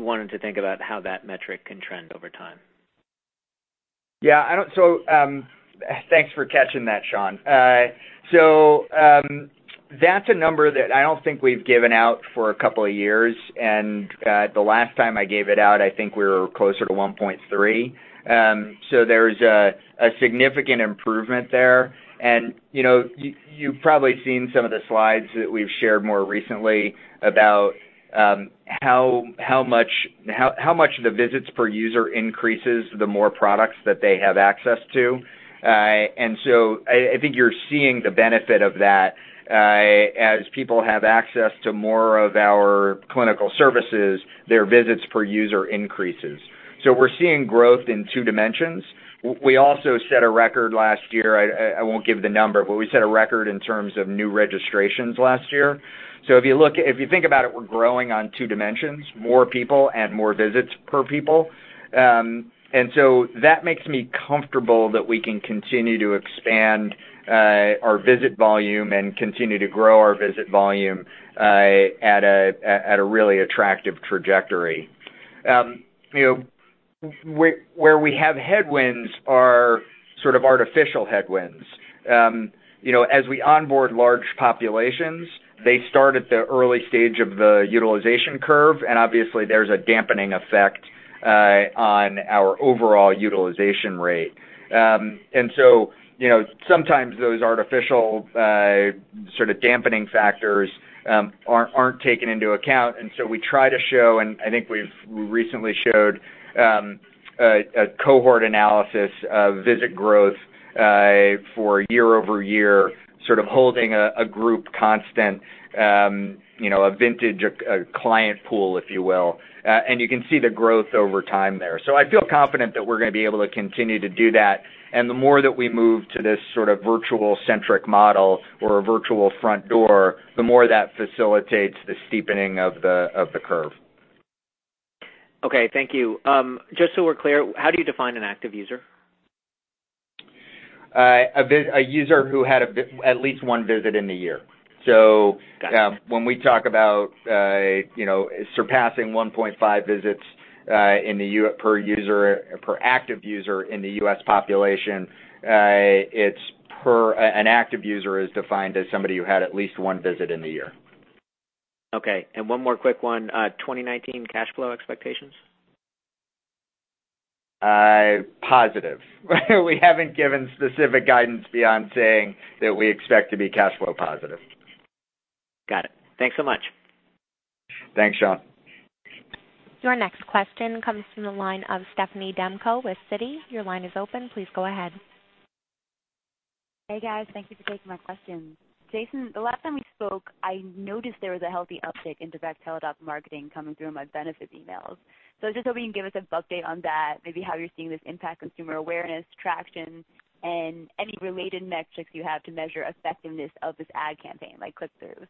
Speaker 10: wanted to think about how that metric can trend over time.
Speaker 3: Yeah. Thanks for catching that, Sean. That's a number that I don't think we've given out for a couple of years. The last time I gave it out, I think we were closer to 1.3. There's a significant improvement there. You've probably seen some of the slides that we've shared more recently about how much the visits per user increases the more products that they have access to. I think you're seeing the benefit of that, as people have access to more of our for clinical services, their visits per user increases. We're seeing growth in two dimensions. We also set a record last year, I won't give the number, but we set a record in terms of new registrations last year. If you think about it, we're growing on two dimensions, more people and more visits per people. That makes me comfortable that we can continue to expand our visit volume and continue to grow our visit volume at a really attractive trajectory. Where we have headwinds are sort of artificial headwinds. As we onboard large populations, they start at the early stage of the utilization curve, and obviously there's a dampening effect on our overall utilization rate. Sometimes those artificial sort of dampening factors aren't taken into account, and so we try to show, and I think we've recently showed, a cohort analysis of visit growth for year-over-year, sort of holding a group constant, a vintage, a client pool, if you will. You can see the growth over time there. I feel confident that we're going to be able to continue to do that. The more that we move to this sort of virtual-centric model or a virtual front door, the more that facilitates the steepening of the curve.
Speaker 10: Okay. Thank you. Just so we're clear, how do you define an active user?
Speaker 3: A user who had at least one visit in the year.
Speaker 10: Got it.
Speaker 3: When we talk about surpassing 1.5 visits per active user in the U.S. population, an active user is defined as somebody who had at least one visit in the year.
Speaker 10: Okay. One more quick one, 2019 cash flow expectations?
Speaker 3: Positive. We haven't given specific guidance beyond saying that we expect to be cash flow positive.
Speaker 10: Got it. Thanks so much.
Speaker 3: Thanks, Sean.
Speaker 1: Your next question comes from the line of Stephanie Demko with Citi. Your line is open. Please go ahead.
Speaker 11: Hey, guys. Thank you for taking my questions. Jason, the last time we spoke, I noticed there was a healthy uptick in direct Teladoc marketing coming through in my benefits emails. I was just hoping you can give us an update on that, maybe how you're seeing this impact consumer awareness, traction, and any related metrics you have to measure effectiveness of this ad campaign, like click-throughs.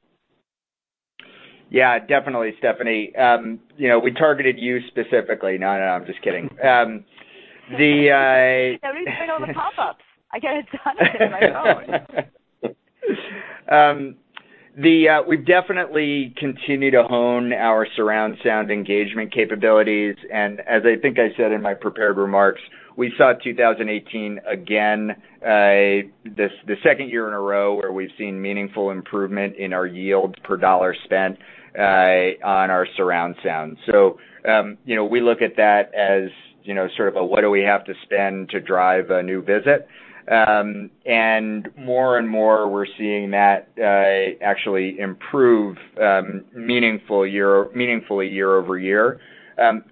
Speaker 3: Yeah, definitely, Stephanie. We targeted you specifically. No, I'm just kidding.
Speaker 11: Yeah, we've been getting all the pop-ups. I can't get it to stop hitting my phone.
Speaker 3: We definitely continue to hone our surround sound engagement capabilities. As I think I said in my prepared remarks, we saw 2018, again, the second year in a row where we've seen meaningful improvement in our yields per dollar spent on our surround sound. We look at that as sort of a what do we have to spend to drive a new visit. More and more, we're seeing that actually improve meaningfully year-over-year.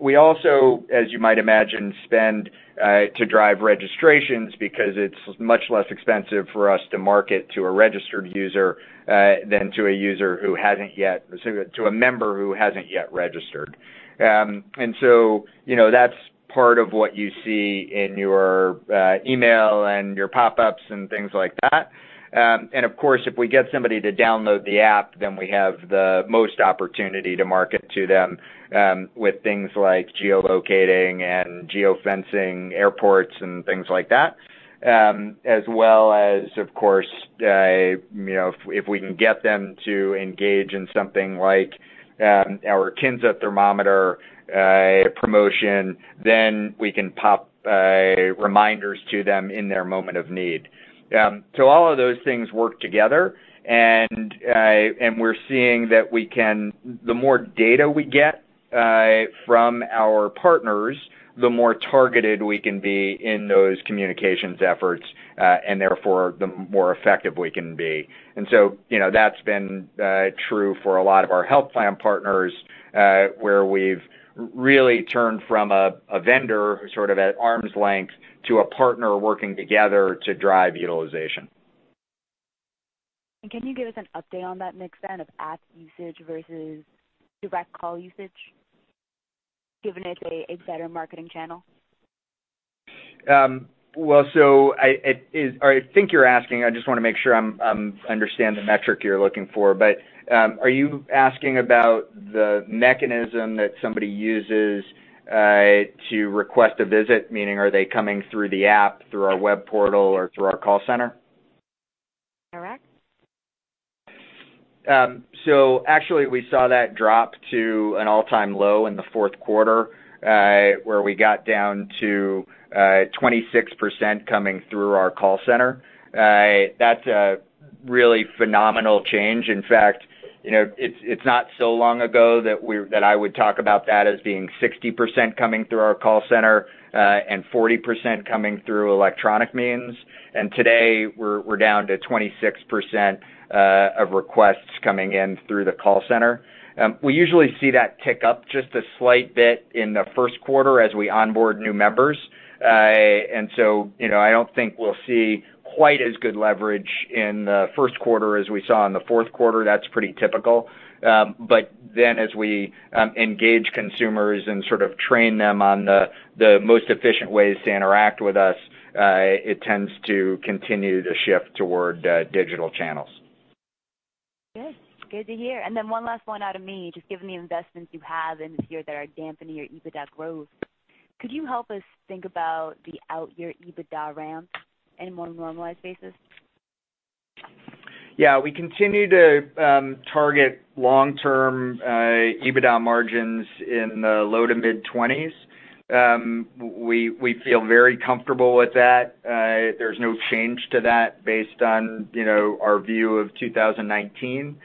Speaker 3: We also, as you might imagine, spend to drive registrations because it's much less expensive for us to market to a registered user than to a member who hasn't yet registered. That's part of what you see in your email and your pop-ups and things like that. Of course, if we get somebody to download the app, then we have the most opportunity to market to them with things like geo-locating and geo-fencing airports and things like that. As well as, of course, if we can get them to engage in something like our Kinsa thermometer promotion, then we can pop reminders to them in their moment of need. All of those things work together. We're seeing that the more data we get from our partners, the more targeted we can be in those communications efforts. Therefore, the more effective we can be. That's been true for a lot of our health plan partners, where we've really turned from a vendor sort of at arm's length to a partner working together to drive utilization.
Speaker 11: Can you give us an update on that mix of app usage versus direct call usage, given it's a better marketing channel?
Speaker 3: I think you're asking, I just want to make sure I understand the metric you're looking for, are you asking about the mechanism that somebody uses to request a visit, meaning are they coming through the app, through our web portal, or through our call center?
Speaker 11: Correct.
Speaker 3: We saw that drop to an all-time low in the Q4, where we got down to 26% coming through our call center. That's a really phenomenal change. In fact, it's not so long ago that I would talk about that as being 60% coming through our call center and 40% coming through electronic means. Today, we're down to 26% of requests coming in through the call center. We usually see that tick up just a slight bit in the Q1 as we onboard new members. I don't think we'll see quite as good leverage in the Q1 as we saw in the Q4. That's pretty typical. As we engage consumers and sort of train them on the most efficient ways to interact with us, it tends to continue to shift toward digital channels.
Speaker 11: Good. Good to hear. One last one out of me, just given the investments you have in this year that are dampening your EBITDA growth, could you help us think about the out-year EBITDA ramp in a more normalized basis?
Speaker 3: Yeah, we continue to target long-term EBITDA margins in the low to mid-20s. We feel very comfortable with that. There's no change to that based on our view of 2019.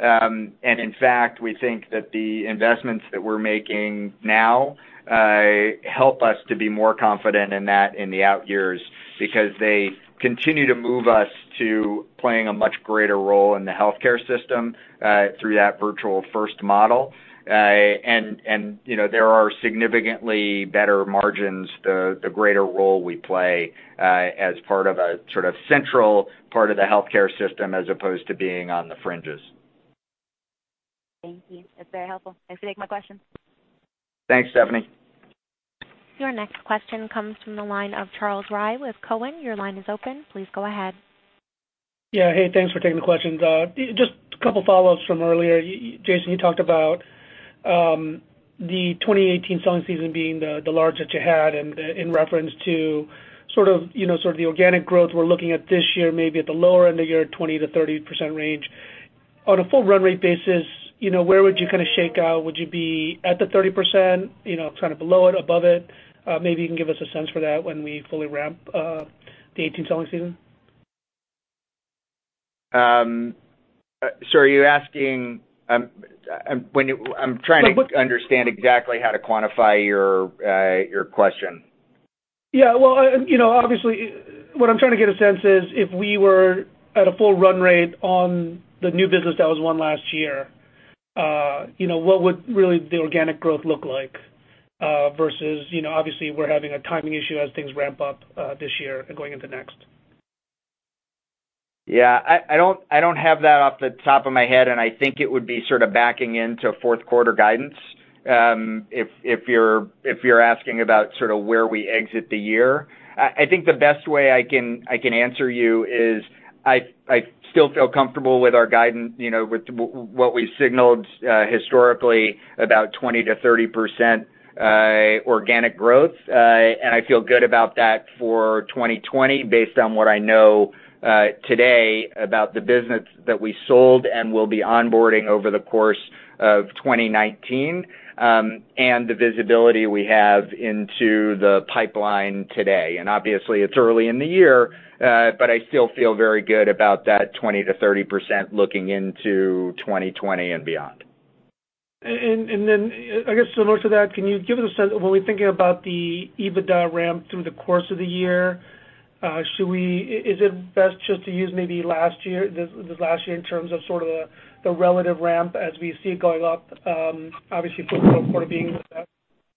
Speaker 3: In fact, we think that the investments that we're making now help us to be more confident in that in the out years, because they continue to move us to playing a much greater role in the healthcare system, through that Virtual First model. There are significantly better margins, the greater role we play, as part of a central part of the healthcare system, as opposed to being on the fringes.
Speaker 11: Thank you. That's very helpful. Thanks for taking my question.
Speaker 3: Thanks, Stephanie.
Speaker 1: Your next question comes from the line of Charles Rhyee with TD Cowen. Your line is open. Please go ahead.
Speaker 12: Yeah. Hey, thanks for taking the question. Just a couple follow-ups from earlier. Jason, you talked about the 2018 selling season being the largest you had, and in reference to the organic growth we're looking at this year, maybe at the lower end of year, 20%-30% range. On a full run rate basis, where would you kind of shake out? Would you be at the 30%, kind of below it, above it? Maybe you can give us a sense for that when we fully ramp the 2018 selling season.
Speaker 3: I'm trying to understand exactly how to quantify your question.
Speaker 12: Yeah. Obviously, what I'm trying to get a sense is, if we were at a full run rate on the new business that was won last year, what would really the organic growth look like, versus, obviously, we're having a timing issue as things ramp up this year and going into next.
Speaker 3: Yeah. I don't have that off the top of my head, and I think it would be sort of backing into Q4 guidance, if you're asking about where we exit the year. I think the best way I can answer you is, I still feel comfortable with our guidance, with what we signaled historically about 20%-30% organic growth. I feel good about that for 2020, based on what I know today about the business that we sold and will be onboarding over the course of 2019, and the visibility we have into the pipeline today. Obviously, it's early in the year, but I still feel very good about that 20%-30% looking into 2020 and beyond.
Speaker 12: I guess similar to that, can you give us a sense of, when we're thinking about the EBITDA ramp through the course of the year, is it best just to use maybe this last year in terms of the relative ramp as we see it going up, obviously Q4 being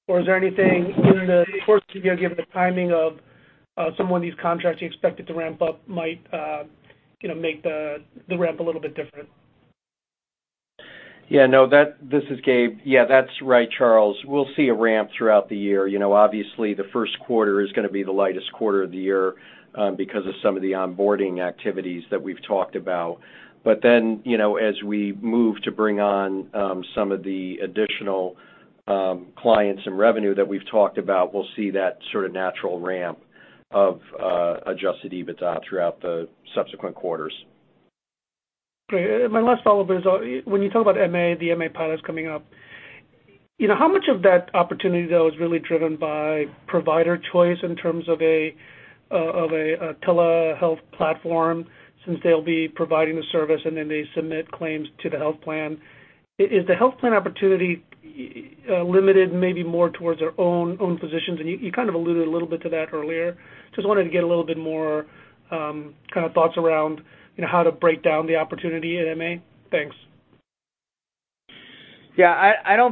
Speaker 12: or is there anything in the course of the year, given the timing of some of these contracts you expected to ramp up might make the ramp a little bit different?
Speaker 4: Yeah. No. This is Gabe. Yeah, that's right, Charles. We'll see a ramp throughout the year. Obviously, the Q1 is going to be the lightest quarter of the year because of some of the onboarding activities that we've talked about. As we move to bring on some of the additional clients and revenue that we've talked about, we'll see that sort of natural ramp of adjusted EBITDA throughout the subsequent quarters.
Speaker 12: Great. My last follow-up is, when you talk about MA, the MA pilots coming up, how much of that opportunity, though, is really driven by provider choice in terms of a telehealth platform, since they'll be providing the service and then they submit claims to the health plan? Is the health plan opportunity limited maybe more towards their own physicians? You kind of alluded a little bit to that earlier. Just wanted to get a little bit more kind of thoughts around how to break down the opportunity at MA. Thanks.
Speaker 3: Yeah. I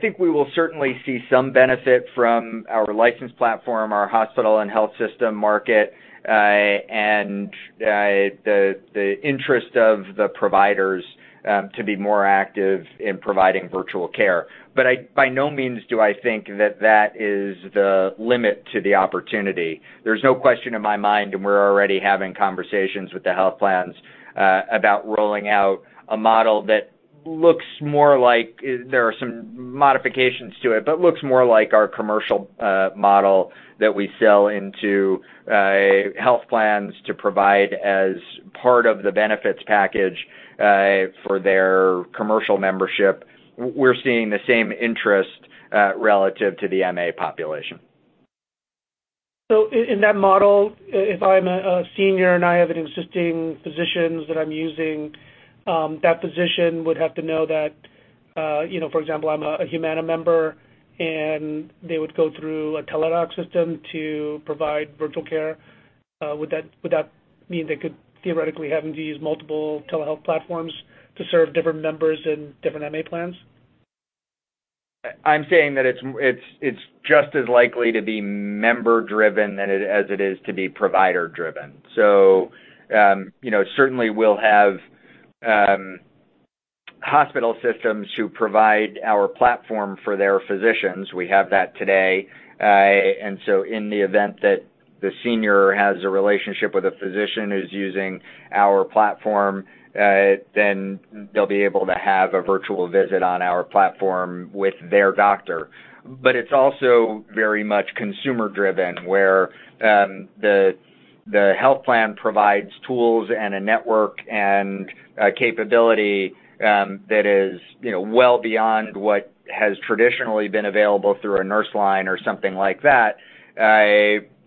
Speaker 3: think we will certainly see some benefit from our licensed platform, our hospital and health system market, and the interest of the providers to be more active in providing virtual care. By no means do I think that that is the limit to the opportunity. There's no question in my mind, we're already having conversations with the health plans about rolling out a model that looks more like, there are some modifications to it, looks more like our commercial model that we sell into health plans to provide as part of the benefits package for their commercial membership. We're seeing the same interest relative to the MA population.
Speaker 12: In that model, if I'm a senior and I have an existing physicians that I'm using, that physician would have to know that, for example, I'm a Humana member, and they would go through a Teladoc system to provide virtual care? Would that mean they could theoretically having to use multiple telehealth platforms to serve different members in different MA plans?
Speaker 3: I'm saying that it's just as likely to be member-driven as it is to be provider-driven. Certainly we'll have hospital systems who provide our platform for their physicians. We have that today. In the event that the senior has a relationship with a physician who's using our platform, then they'll be able to have a virtual visit on our platform with their doctor. It's also very much consumer-driven, where the health plan provides tools and a network and a capability that is well beyond what has traditionally been available through a nurse line or something like that,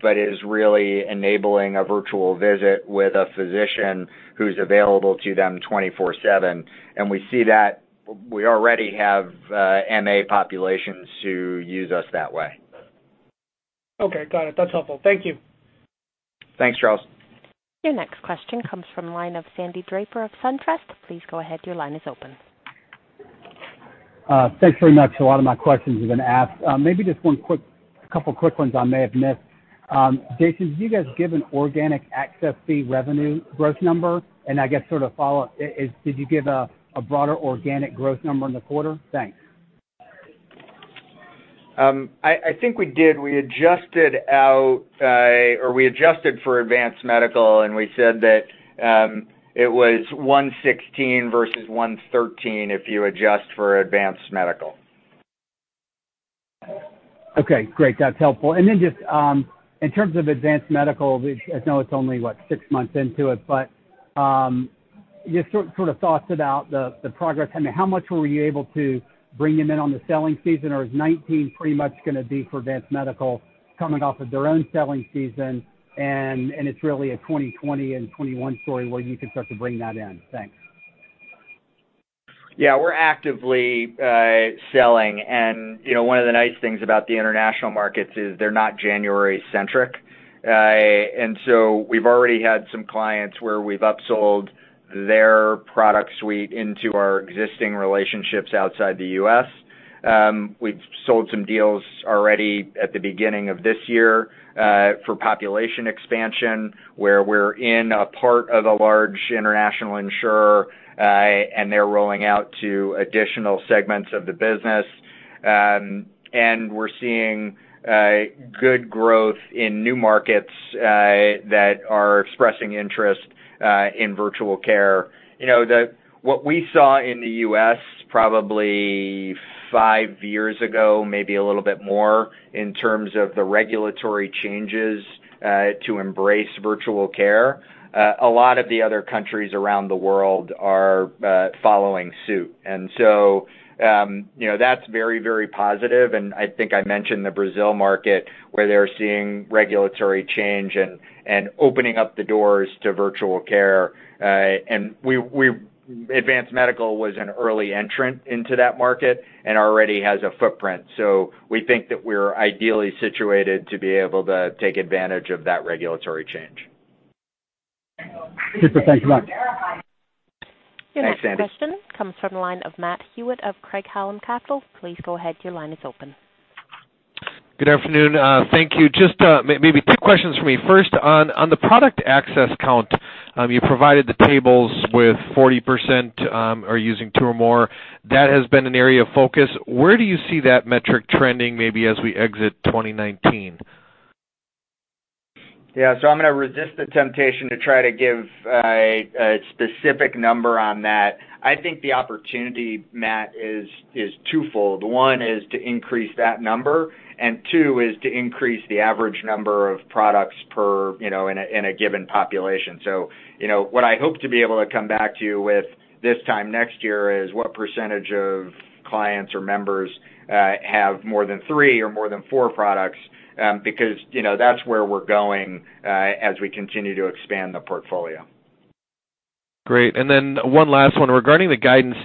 Speaker 3: but is really enabling a virtual visit with a physician who's available to them 24/7. We see that we already have MA populations who use us that way.
Speaker 12: Okay, got it. That's helpful. Thank you.
Speaker 3: Thanks, Charles.
Speaker 1: Your next question comes from the line of Sandy Draper of SunTrust. Please go ahead, your line is open.
Speaker 13: Thanks very much. A lot of my questions have been asked. Maybe just a couple quick ones I may have missed. Jason, did you guys give an organic access fee revenue growth number? I guess sort of follow is, did you give a broader organic growth number in the quarter? Thanks.
Speaker 3: I think we did. We adjusted for Advance Medical. We said that it was 116 versus 113 if you adjust for Advance Medical.
Speaker 13: Okay, great. That's helpful. Then just in terms of Advance Medical, I know it's only, what, six months into it, but just sort of thoughts about the progress. I mean, how much were you able to bring them in on the selling season, or is 2019 pretty much going to be for Advance Medical coming off of their own selling season, and it's really a 2020 and 2021 story where you can start to bring that in? Thanks.
Speaker 3: We're actively selling. One of the nice things about the international markets is they're not January-centric. We've already had some clients where we've upsold their product suite into our existing relationships outside the U.S. We've sold some deals already at the beginning of this year for population expansion, where we're in a part of a large international insurer, and they're rolling out to additional segments of the business. We're seeing good growth in new markets that are expressing interest in virtual care. What we saw in the U.S. probably five years ago, maybe a little bit more, in terms of the regulatory changes to embrace virtual care, a lot of the other countries around the world are following suit. That's very, very positive, and I think I mentioned the Brazil market where they're seeing regulatory change and opening up the doors to virtual care. Advance Medical was an early entrant into that market and already has a footprint. We think that we're ideally situated to be able to take advantage of that regulatory change.
Speaker 13: Super. Thanks a lot.
Speaker 3: Thanks, Sandy.
Speaker 1: Your next question comes from the line of Matt Hewitt of Craig-Hallum Capital. Please go ahead, your line is open.
Speaker 14: Good afternoon. Thank you. Just maybe two questions from me. First, on the product access count, you provided the tables with 40% are using two or more. That has been an area of focus. Where do you see that metric trending maybe as we exit 2019?
Speaker 3: Yeah. I'm going to resist the temptation to try to give a specific number on that. I think the opportunity, Matt, is twofold. One is to increase that number, and two is to increase the average number of products in a given population. What I hope to be able to come back to you with this time next year is what percentage of clients or members have more than three or more than four products, because that's where we're going as we continue to expand the portfolio.
Speaker 14: Great. One last one. Regarding the guidance,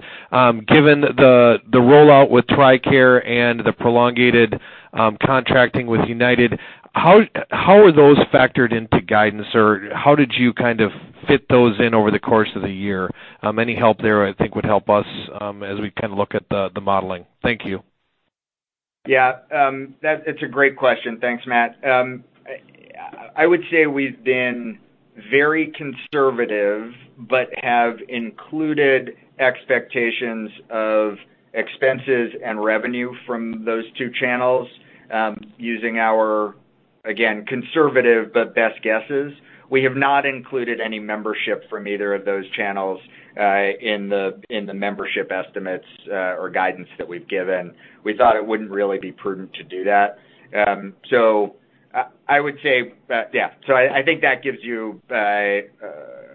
Speaker 14: given the rollout with TRICARE and the prolongated contracting with United, how are those factored into guidance, or how did you kind of fit those in over the course of the year? Any help there, I think, would help us as we kind of look at the modeling. Thank you.
Speaker 3: Yeah. It's a great question. Thanks, Matt. I would say we've been very conservative but have included expectations of expenses and revenue from those two channels using our, again, conservative but best guesses. We have not included any membership from either of those channels in the membership estimates or guidance that we've given. We thought it wouldn't really be prudent to do that. I would say, yeah. I think that gives you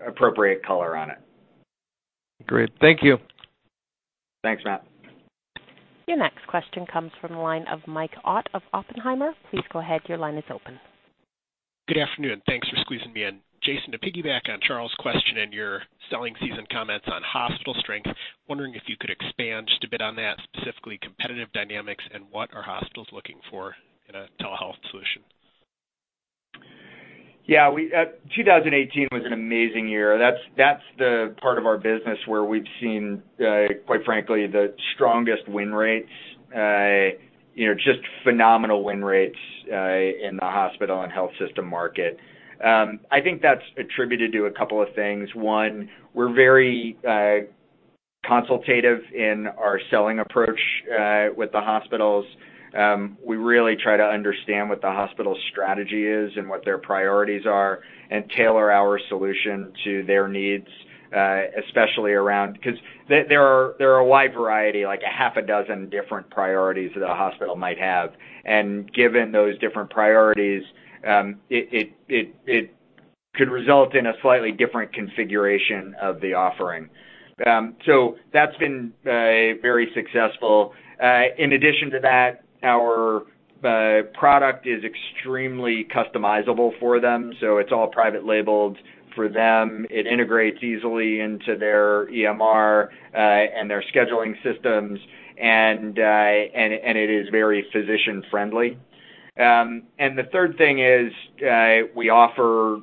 Speaker 3: appropriate color on it.
Speaker 14: Great. Thank you.
Speaker 3: Thanks, Matt.
Speaker 1: Your next question comes from the line of Mike Ott of Oppenheimer. Please go ahead, your line is open.
Speaker 15: Good afternoon. Thanks for squeezing me in. Jason, to piggyback on Charles' question and your selling season comments on hospital strength. Wondering if you could expand just a bit on that, specifically competitive dynamics and what are hospitals looking for in a telehealth solution?
Speaker 3: 2018 was an amazing year. That's the part of our business where we've seen, quite frankly, the strongest win rates. Just phenomenal win rates in the hospital and health system market. I think that's attributed to a couple of things. One, we're very consultative in our selling approach with the hospitals. We really try to understand what the hospital's strategy is and what their priorities are and tailor our solution to their needs, especially around. There are a wide variety, like a half a dozen different priorities that a hospital might have. Given those different priorities, it could result in a slightly different configuration of the offering. That's been very successful. In addition to that, our product is extremely customizable for them, so it's all private labeled for them. It integrates easily into their EMR, and their scheduling systems, and it is very physician-friendly. The third thing is, we offer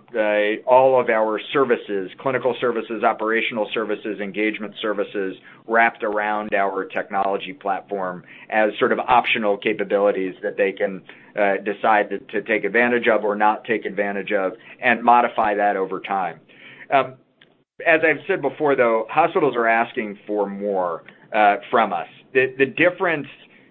Speaker 3: all of our services, clinical services, operational services, engagement services, wrapped around our technology platform as sort of optional capabilities that they can decide to take advantage of or not take advantage of and modify that over time. As I've said before, though, hospitals are asking for more from us. The difference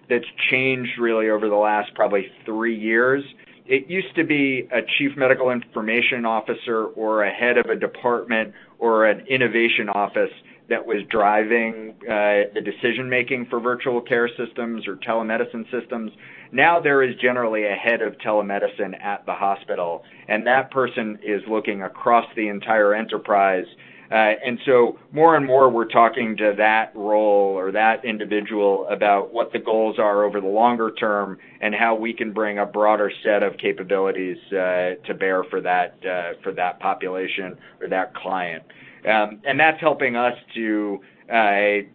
Speaker 3: that's changed really over the last probably three years, it used to be a chief medical information officer or a head of a department or an innovation office that was driving the decision-making for virtual care systems or telemedicine systems. Now there is generally a head of telemedicine at the hospital, and that person is looking across the entire enterprise. More and more, we're talking to that role or that individual about what the goals are over the longer term and how we can bring a broader set of capabilities to bear for that population or that client. That's helping us to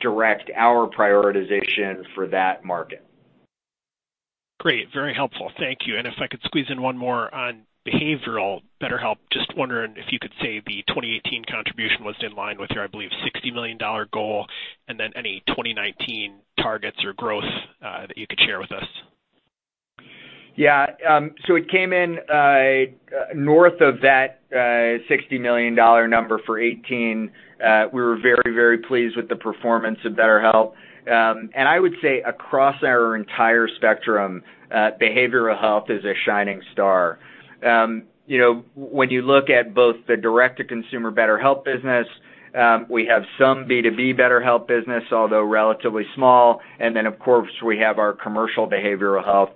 Speaker 3: direct our prioritization for that market.
Speaker 15: Great. Very helpful. Thank you. If I could squeeze in one more on behavioral, BetterHelp, just wondering if you could say the 2018 contribution was in line with your, I believe, $60 million goal, then any 2019 targets or growth that you could share with us.
Speaker 3: Yeah. It came in north of that $60 million number for 2018. We were very, very pleased with the performance of BetterHelp. I would say across our entire spectrum, behavioral health is a shining star. When you look at both the direct-to-consumer BetterHelp business, we have some B2B BetterHelp business, although relatively small, then of course we have our commercial behavioral health.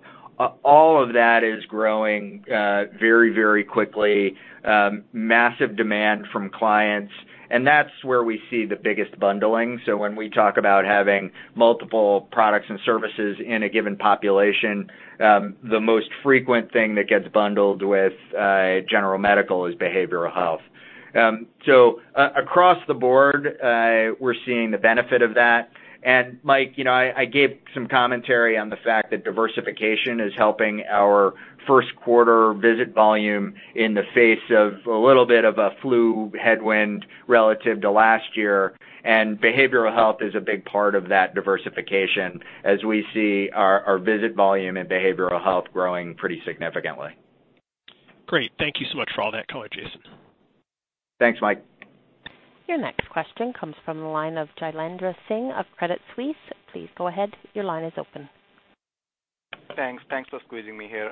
Speaker 3: All of that is growing very, very quickly. Massive demand from clients. That's where we see the biggest bundling. When we talk about having multiple products and services in a given population, the most frequent thing that gets bundled with general medical is behavioral health. Across the board, we're seeing the benefit of that. Mike, I gave some commentary on the fact that diversification is helping our Q1 visit volume in the face of a little bit of a flu headwind relative to last year. Behavioral health is a big part of that diversification, as we see our visit volume and behavioral health growing pretty significantly.
Speaker 15: Great. Thank you so much for all that color, Jason.
Speaker 3: Thanks, Mike.
Speaker 1: Your next question comes from the line of Jailendra Singh of Credit Suisse. Please go ahead. Your line is open.
Speaker 16: Thanks for squeezing me here.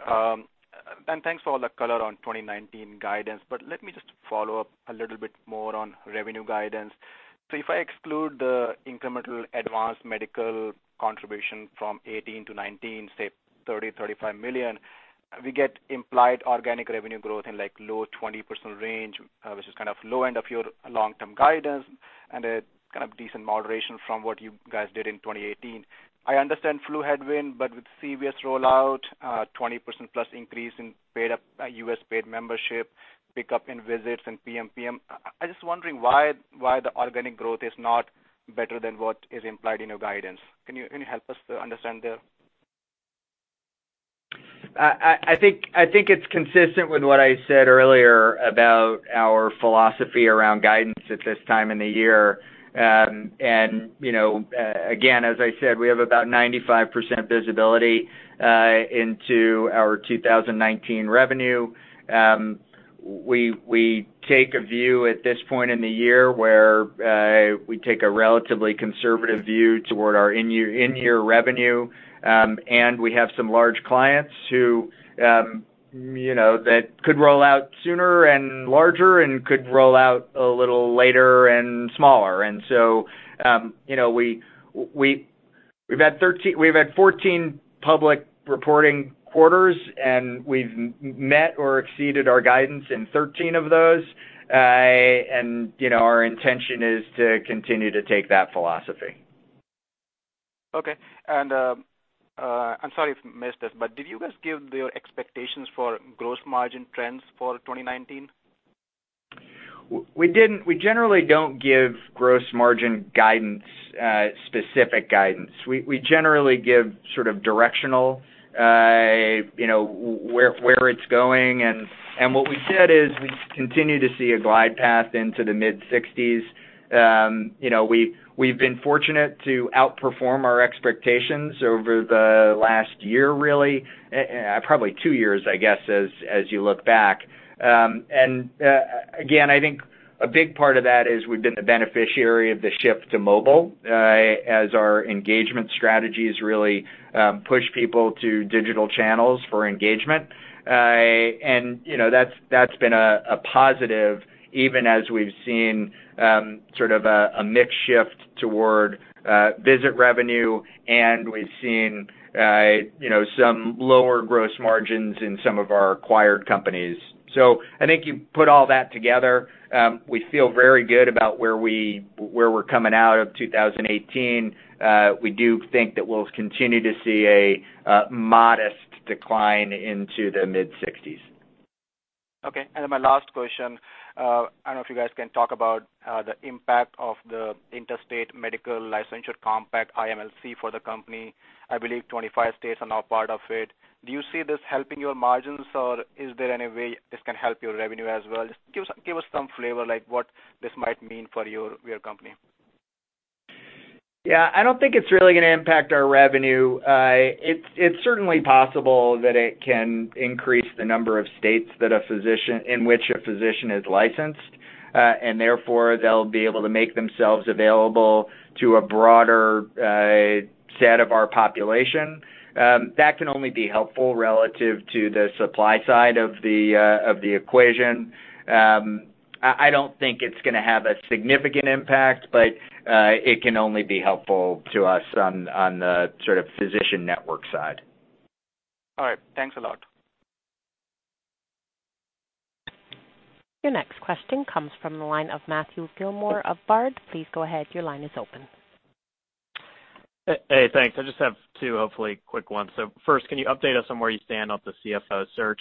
Speaker 16: Thanks for all the color on 2019 guidance, but let me just follow up a little bit more on revenue guidance. If I exclude the incremental Advance Medical contribution from 2018 to 2019, say $30 million-$35 million, we get implied organic revenue growth in low 20% range, which is kind of low end of your long-term guidance and a kind of decent moderation from what you guys did in 2018. I understand flu headwind, with CVS Health rollout, 20% plus increase in U.S. paid membership, pickup in visits and PMPM. I'm just wondering why the organic growth is not better than what is implied in your guidance. Can you help us to understand there?
Speaker 3: I think it's consistent with what I said earlier about our philosophy around guidance at this time in the year. Again, as I said, we have about 95% visibility into our 2019 revenue. We take a view at this point in the year where we take a relatively conservative view toward our in-year revenue, we have some large clients that could roll out sooner and larger and could roll out a little later and smaller. We've had 14 public reporting quarters, and we've met or exceeded our guidance in 13 of those. Our intention is to continue to take that philosophy.
Speaker 16: Okay. I'm sorry if you missed this, did you guys give your expectations for gross margin trends for 2019?
Speaker 3: We didn't. We generally don't give gross margin guidance, specific guidance. We generally give sort of directional, where it's going, what we said is we continue to see a glide path into the mid-60s. We've been fortunate to outperform our expectations over the last year, really, probably two years, I guess, as you look back. Again, I think a big part of that is we've been the beneficiary of the shift to mobile, as our engagement strategies really push people to digital channels for engagement. That's been a positive, even as we've seen sort of a mix shift toward visit revenue, we've seen some lower gross margins in some of our acquired companies. I think you put all that together, we feel very good about where we're coming out of 2018. We do think that we'll continue to see a modest decline into the mid-60s.
Speaker 16: Okay. My last question, I don't know if you guys can talk about the impact of the Interstate Medical Licensure Compact, IMLC, for the company. I believe 25 states are now part of it. Do you see this helping your margins, or is there any way this can help your revenue as well? Just give us some flavor, like what this might mean for your company.
Speaker 3: Yeah. I don't think it's really going to impact our revenue. It's certainly possible that it can increase the number of states in which a physician is licensed, therefore, they'll be able to make themselves available to a broader set of our population. That can only be helpful relative to the supply side of the equation. I don't think it's going to have a significant impact, it can only be helpful to us on the sort of physician network side.
Speaker 16: All right. Thanks a lot.
Speaker 1: Your next question comes from the line of Matthew Gillmor of Baird. Please go ahead. Your line is open.
Speaker 17: Hey, thanks. I just have two, hopefully quick ones. First, can you update us on where you stand on the CFO search?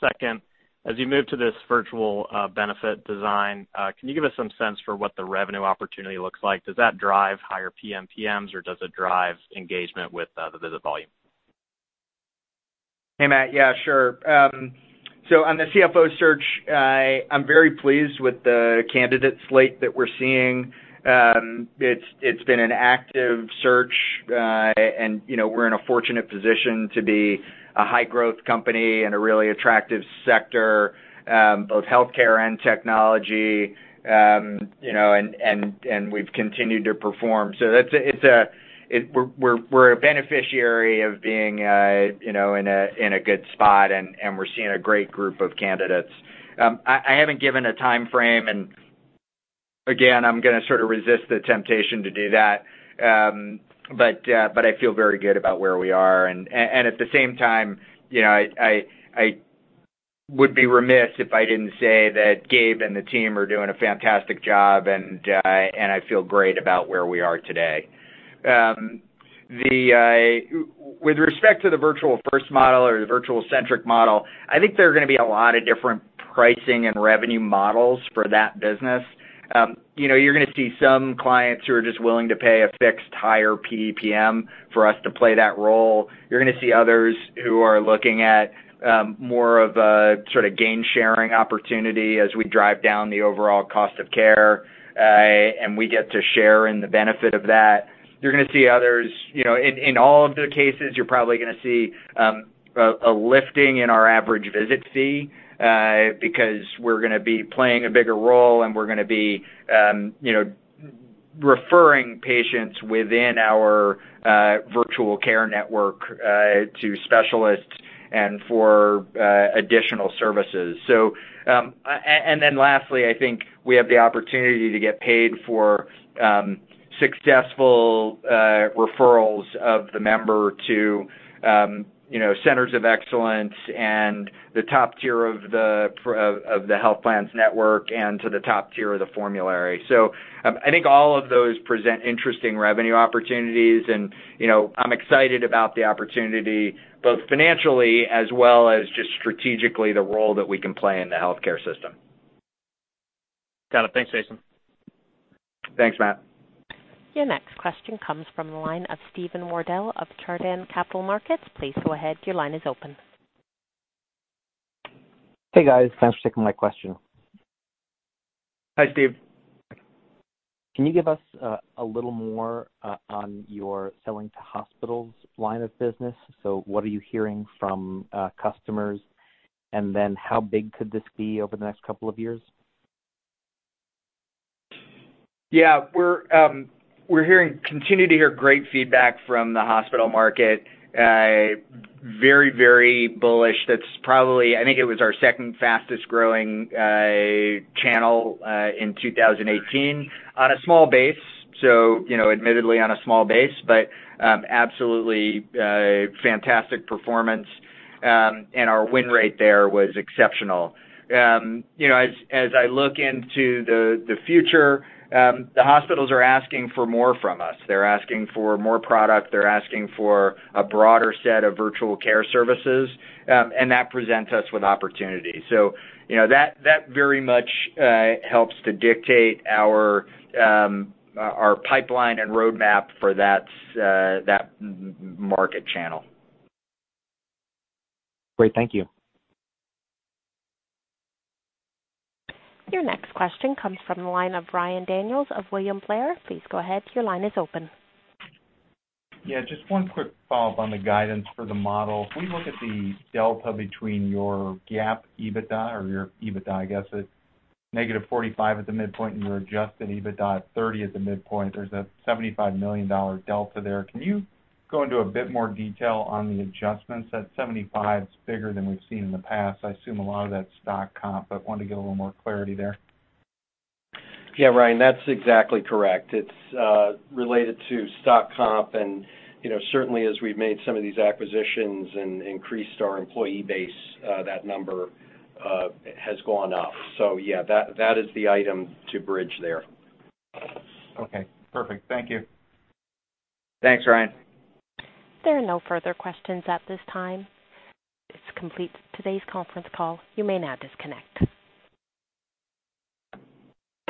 Speaker 17: Second, as you move to this virtual benefit design, can you give us some sense for what the revenue opportunity looks like? Does that drive higher PMPMs, or does it drive engagement with the visit volume?
Speaker 3: Hey, Matthew. Yeah, sure. On the CFO search, I'm very pleased with the candidate slate that we're seeing. It's been an active search, and we're in a fortunate position to be a high-growth company in a really attractive sector, both healthcare and technology, and we've continued to perform. We're a beneficiary of being in a good spot, and we're seeing a great group of candidates. I haven't given a timeframe, and again, I'm going to sort of resist the temptation to do that. I feel very good about where we are. At the same time, I would be remiss if I didn't say that Gabe and the team are doing a fantastic job, and I feel great about where we are today. With respect to the Virtual First model or the virtual-centric model, I think there are going to be a lot of different pricing and revenue models for that business. You're going to see some clients who are just willing to pay a fixed higher PMPM for us to play that role. You're going to see others who are looking at more of a sort of gain-sharing opportunity as we drive down the overall cost of care, we get to share in the benefit of that. In all of the cases, you're probably going to see a lifting in our average visit fee, because we're going to be playing a bigger role, and we're going to be referring patients within our virtual care network to specialists and for additional services. Lastly, I think we have the opportunity to get paid for successful referrals of the member to centers of excellence and the top tier of the health plans network and to the top tier of the formulary. I think all of those present interesting revenue opportunities, and I'm excited about the opportunity, both financially as well as just strategically, the role that we can play in the healthcare system.
Speaker 17: Got it. Thanks, Jason.
Speaker 3: Thanks, Matthew.
Speaker 1: Your next question comes from the line of Steven Wardell of Chardan Capital Markets. Please go ahead. Your line is open.
Speaker 18: Hey, guys. Thanks for taking my question.
Speaker 3: Hi, Steven.
Speaker 18: Can you give us a little more on your selling to hospitals line of business? What are you hearing from customers, and then how big could this be over the next couple of years?
Speaker 3: Yeah. We're continuing to hear great feedback from the hospital market. Very bullish. That's probably, I think it was our second fastest growing channel in 2018 on a small base, so admittedly on a small base, but absolutely fantastic performance, and our win rate there was exceptional. As I look into the future, the hospitals are asking for more from us. They're asking for more product. They're asking for a broader set of virtual care services, and that presents us with opportunities. That very much helps to dictate our pipeline and roadmap for that market channel.
Speaker 18: Great. Thank you.
Speaker 1: Your next question comes from the line of Ryan Daniels of William Blair. Please go ahead. Your line is open.
Speaker 7: Yeah, just one quick follow-up on the guidance for the model. If we look at the delta between your GAAP EBITDA or your EBITDA, I guess, at negative 45 at the midpoint and your adjusted EBITDA at 30 at the midpoint, there's a $75 million delta there. Can you go into a bit more detail on the adjustments? That $75 is bigger than we've seen in the past. I assume a lot of that's stock comp, but wanted to get a little more clarity there.
Speaker 4: Yeah, Ryan, that's exactly correct. It's related to stock comp, and certainly as we've made some of these acquisitions and increased our employee base, that number has gone up. Yeah, that is the item to bridge there.
Speaker 7: Okay, perfect. Thank you.
Speaker 3: Thanks, Ryan.
Speaker 1: There are no further questions at this time. This completes today's conference call. You may now disconnect.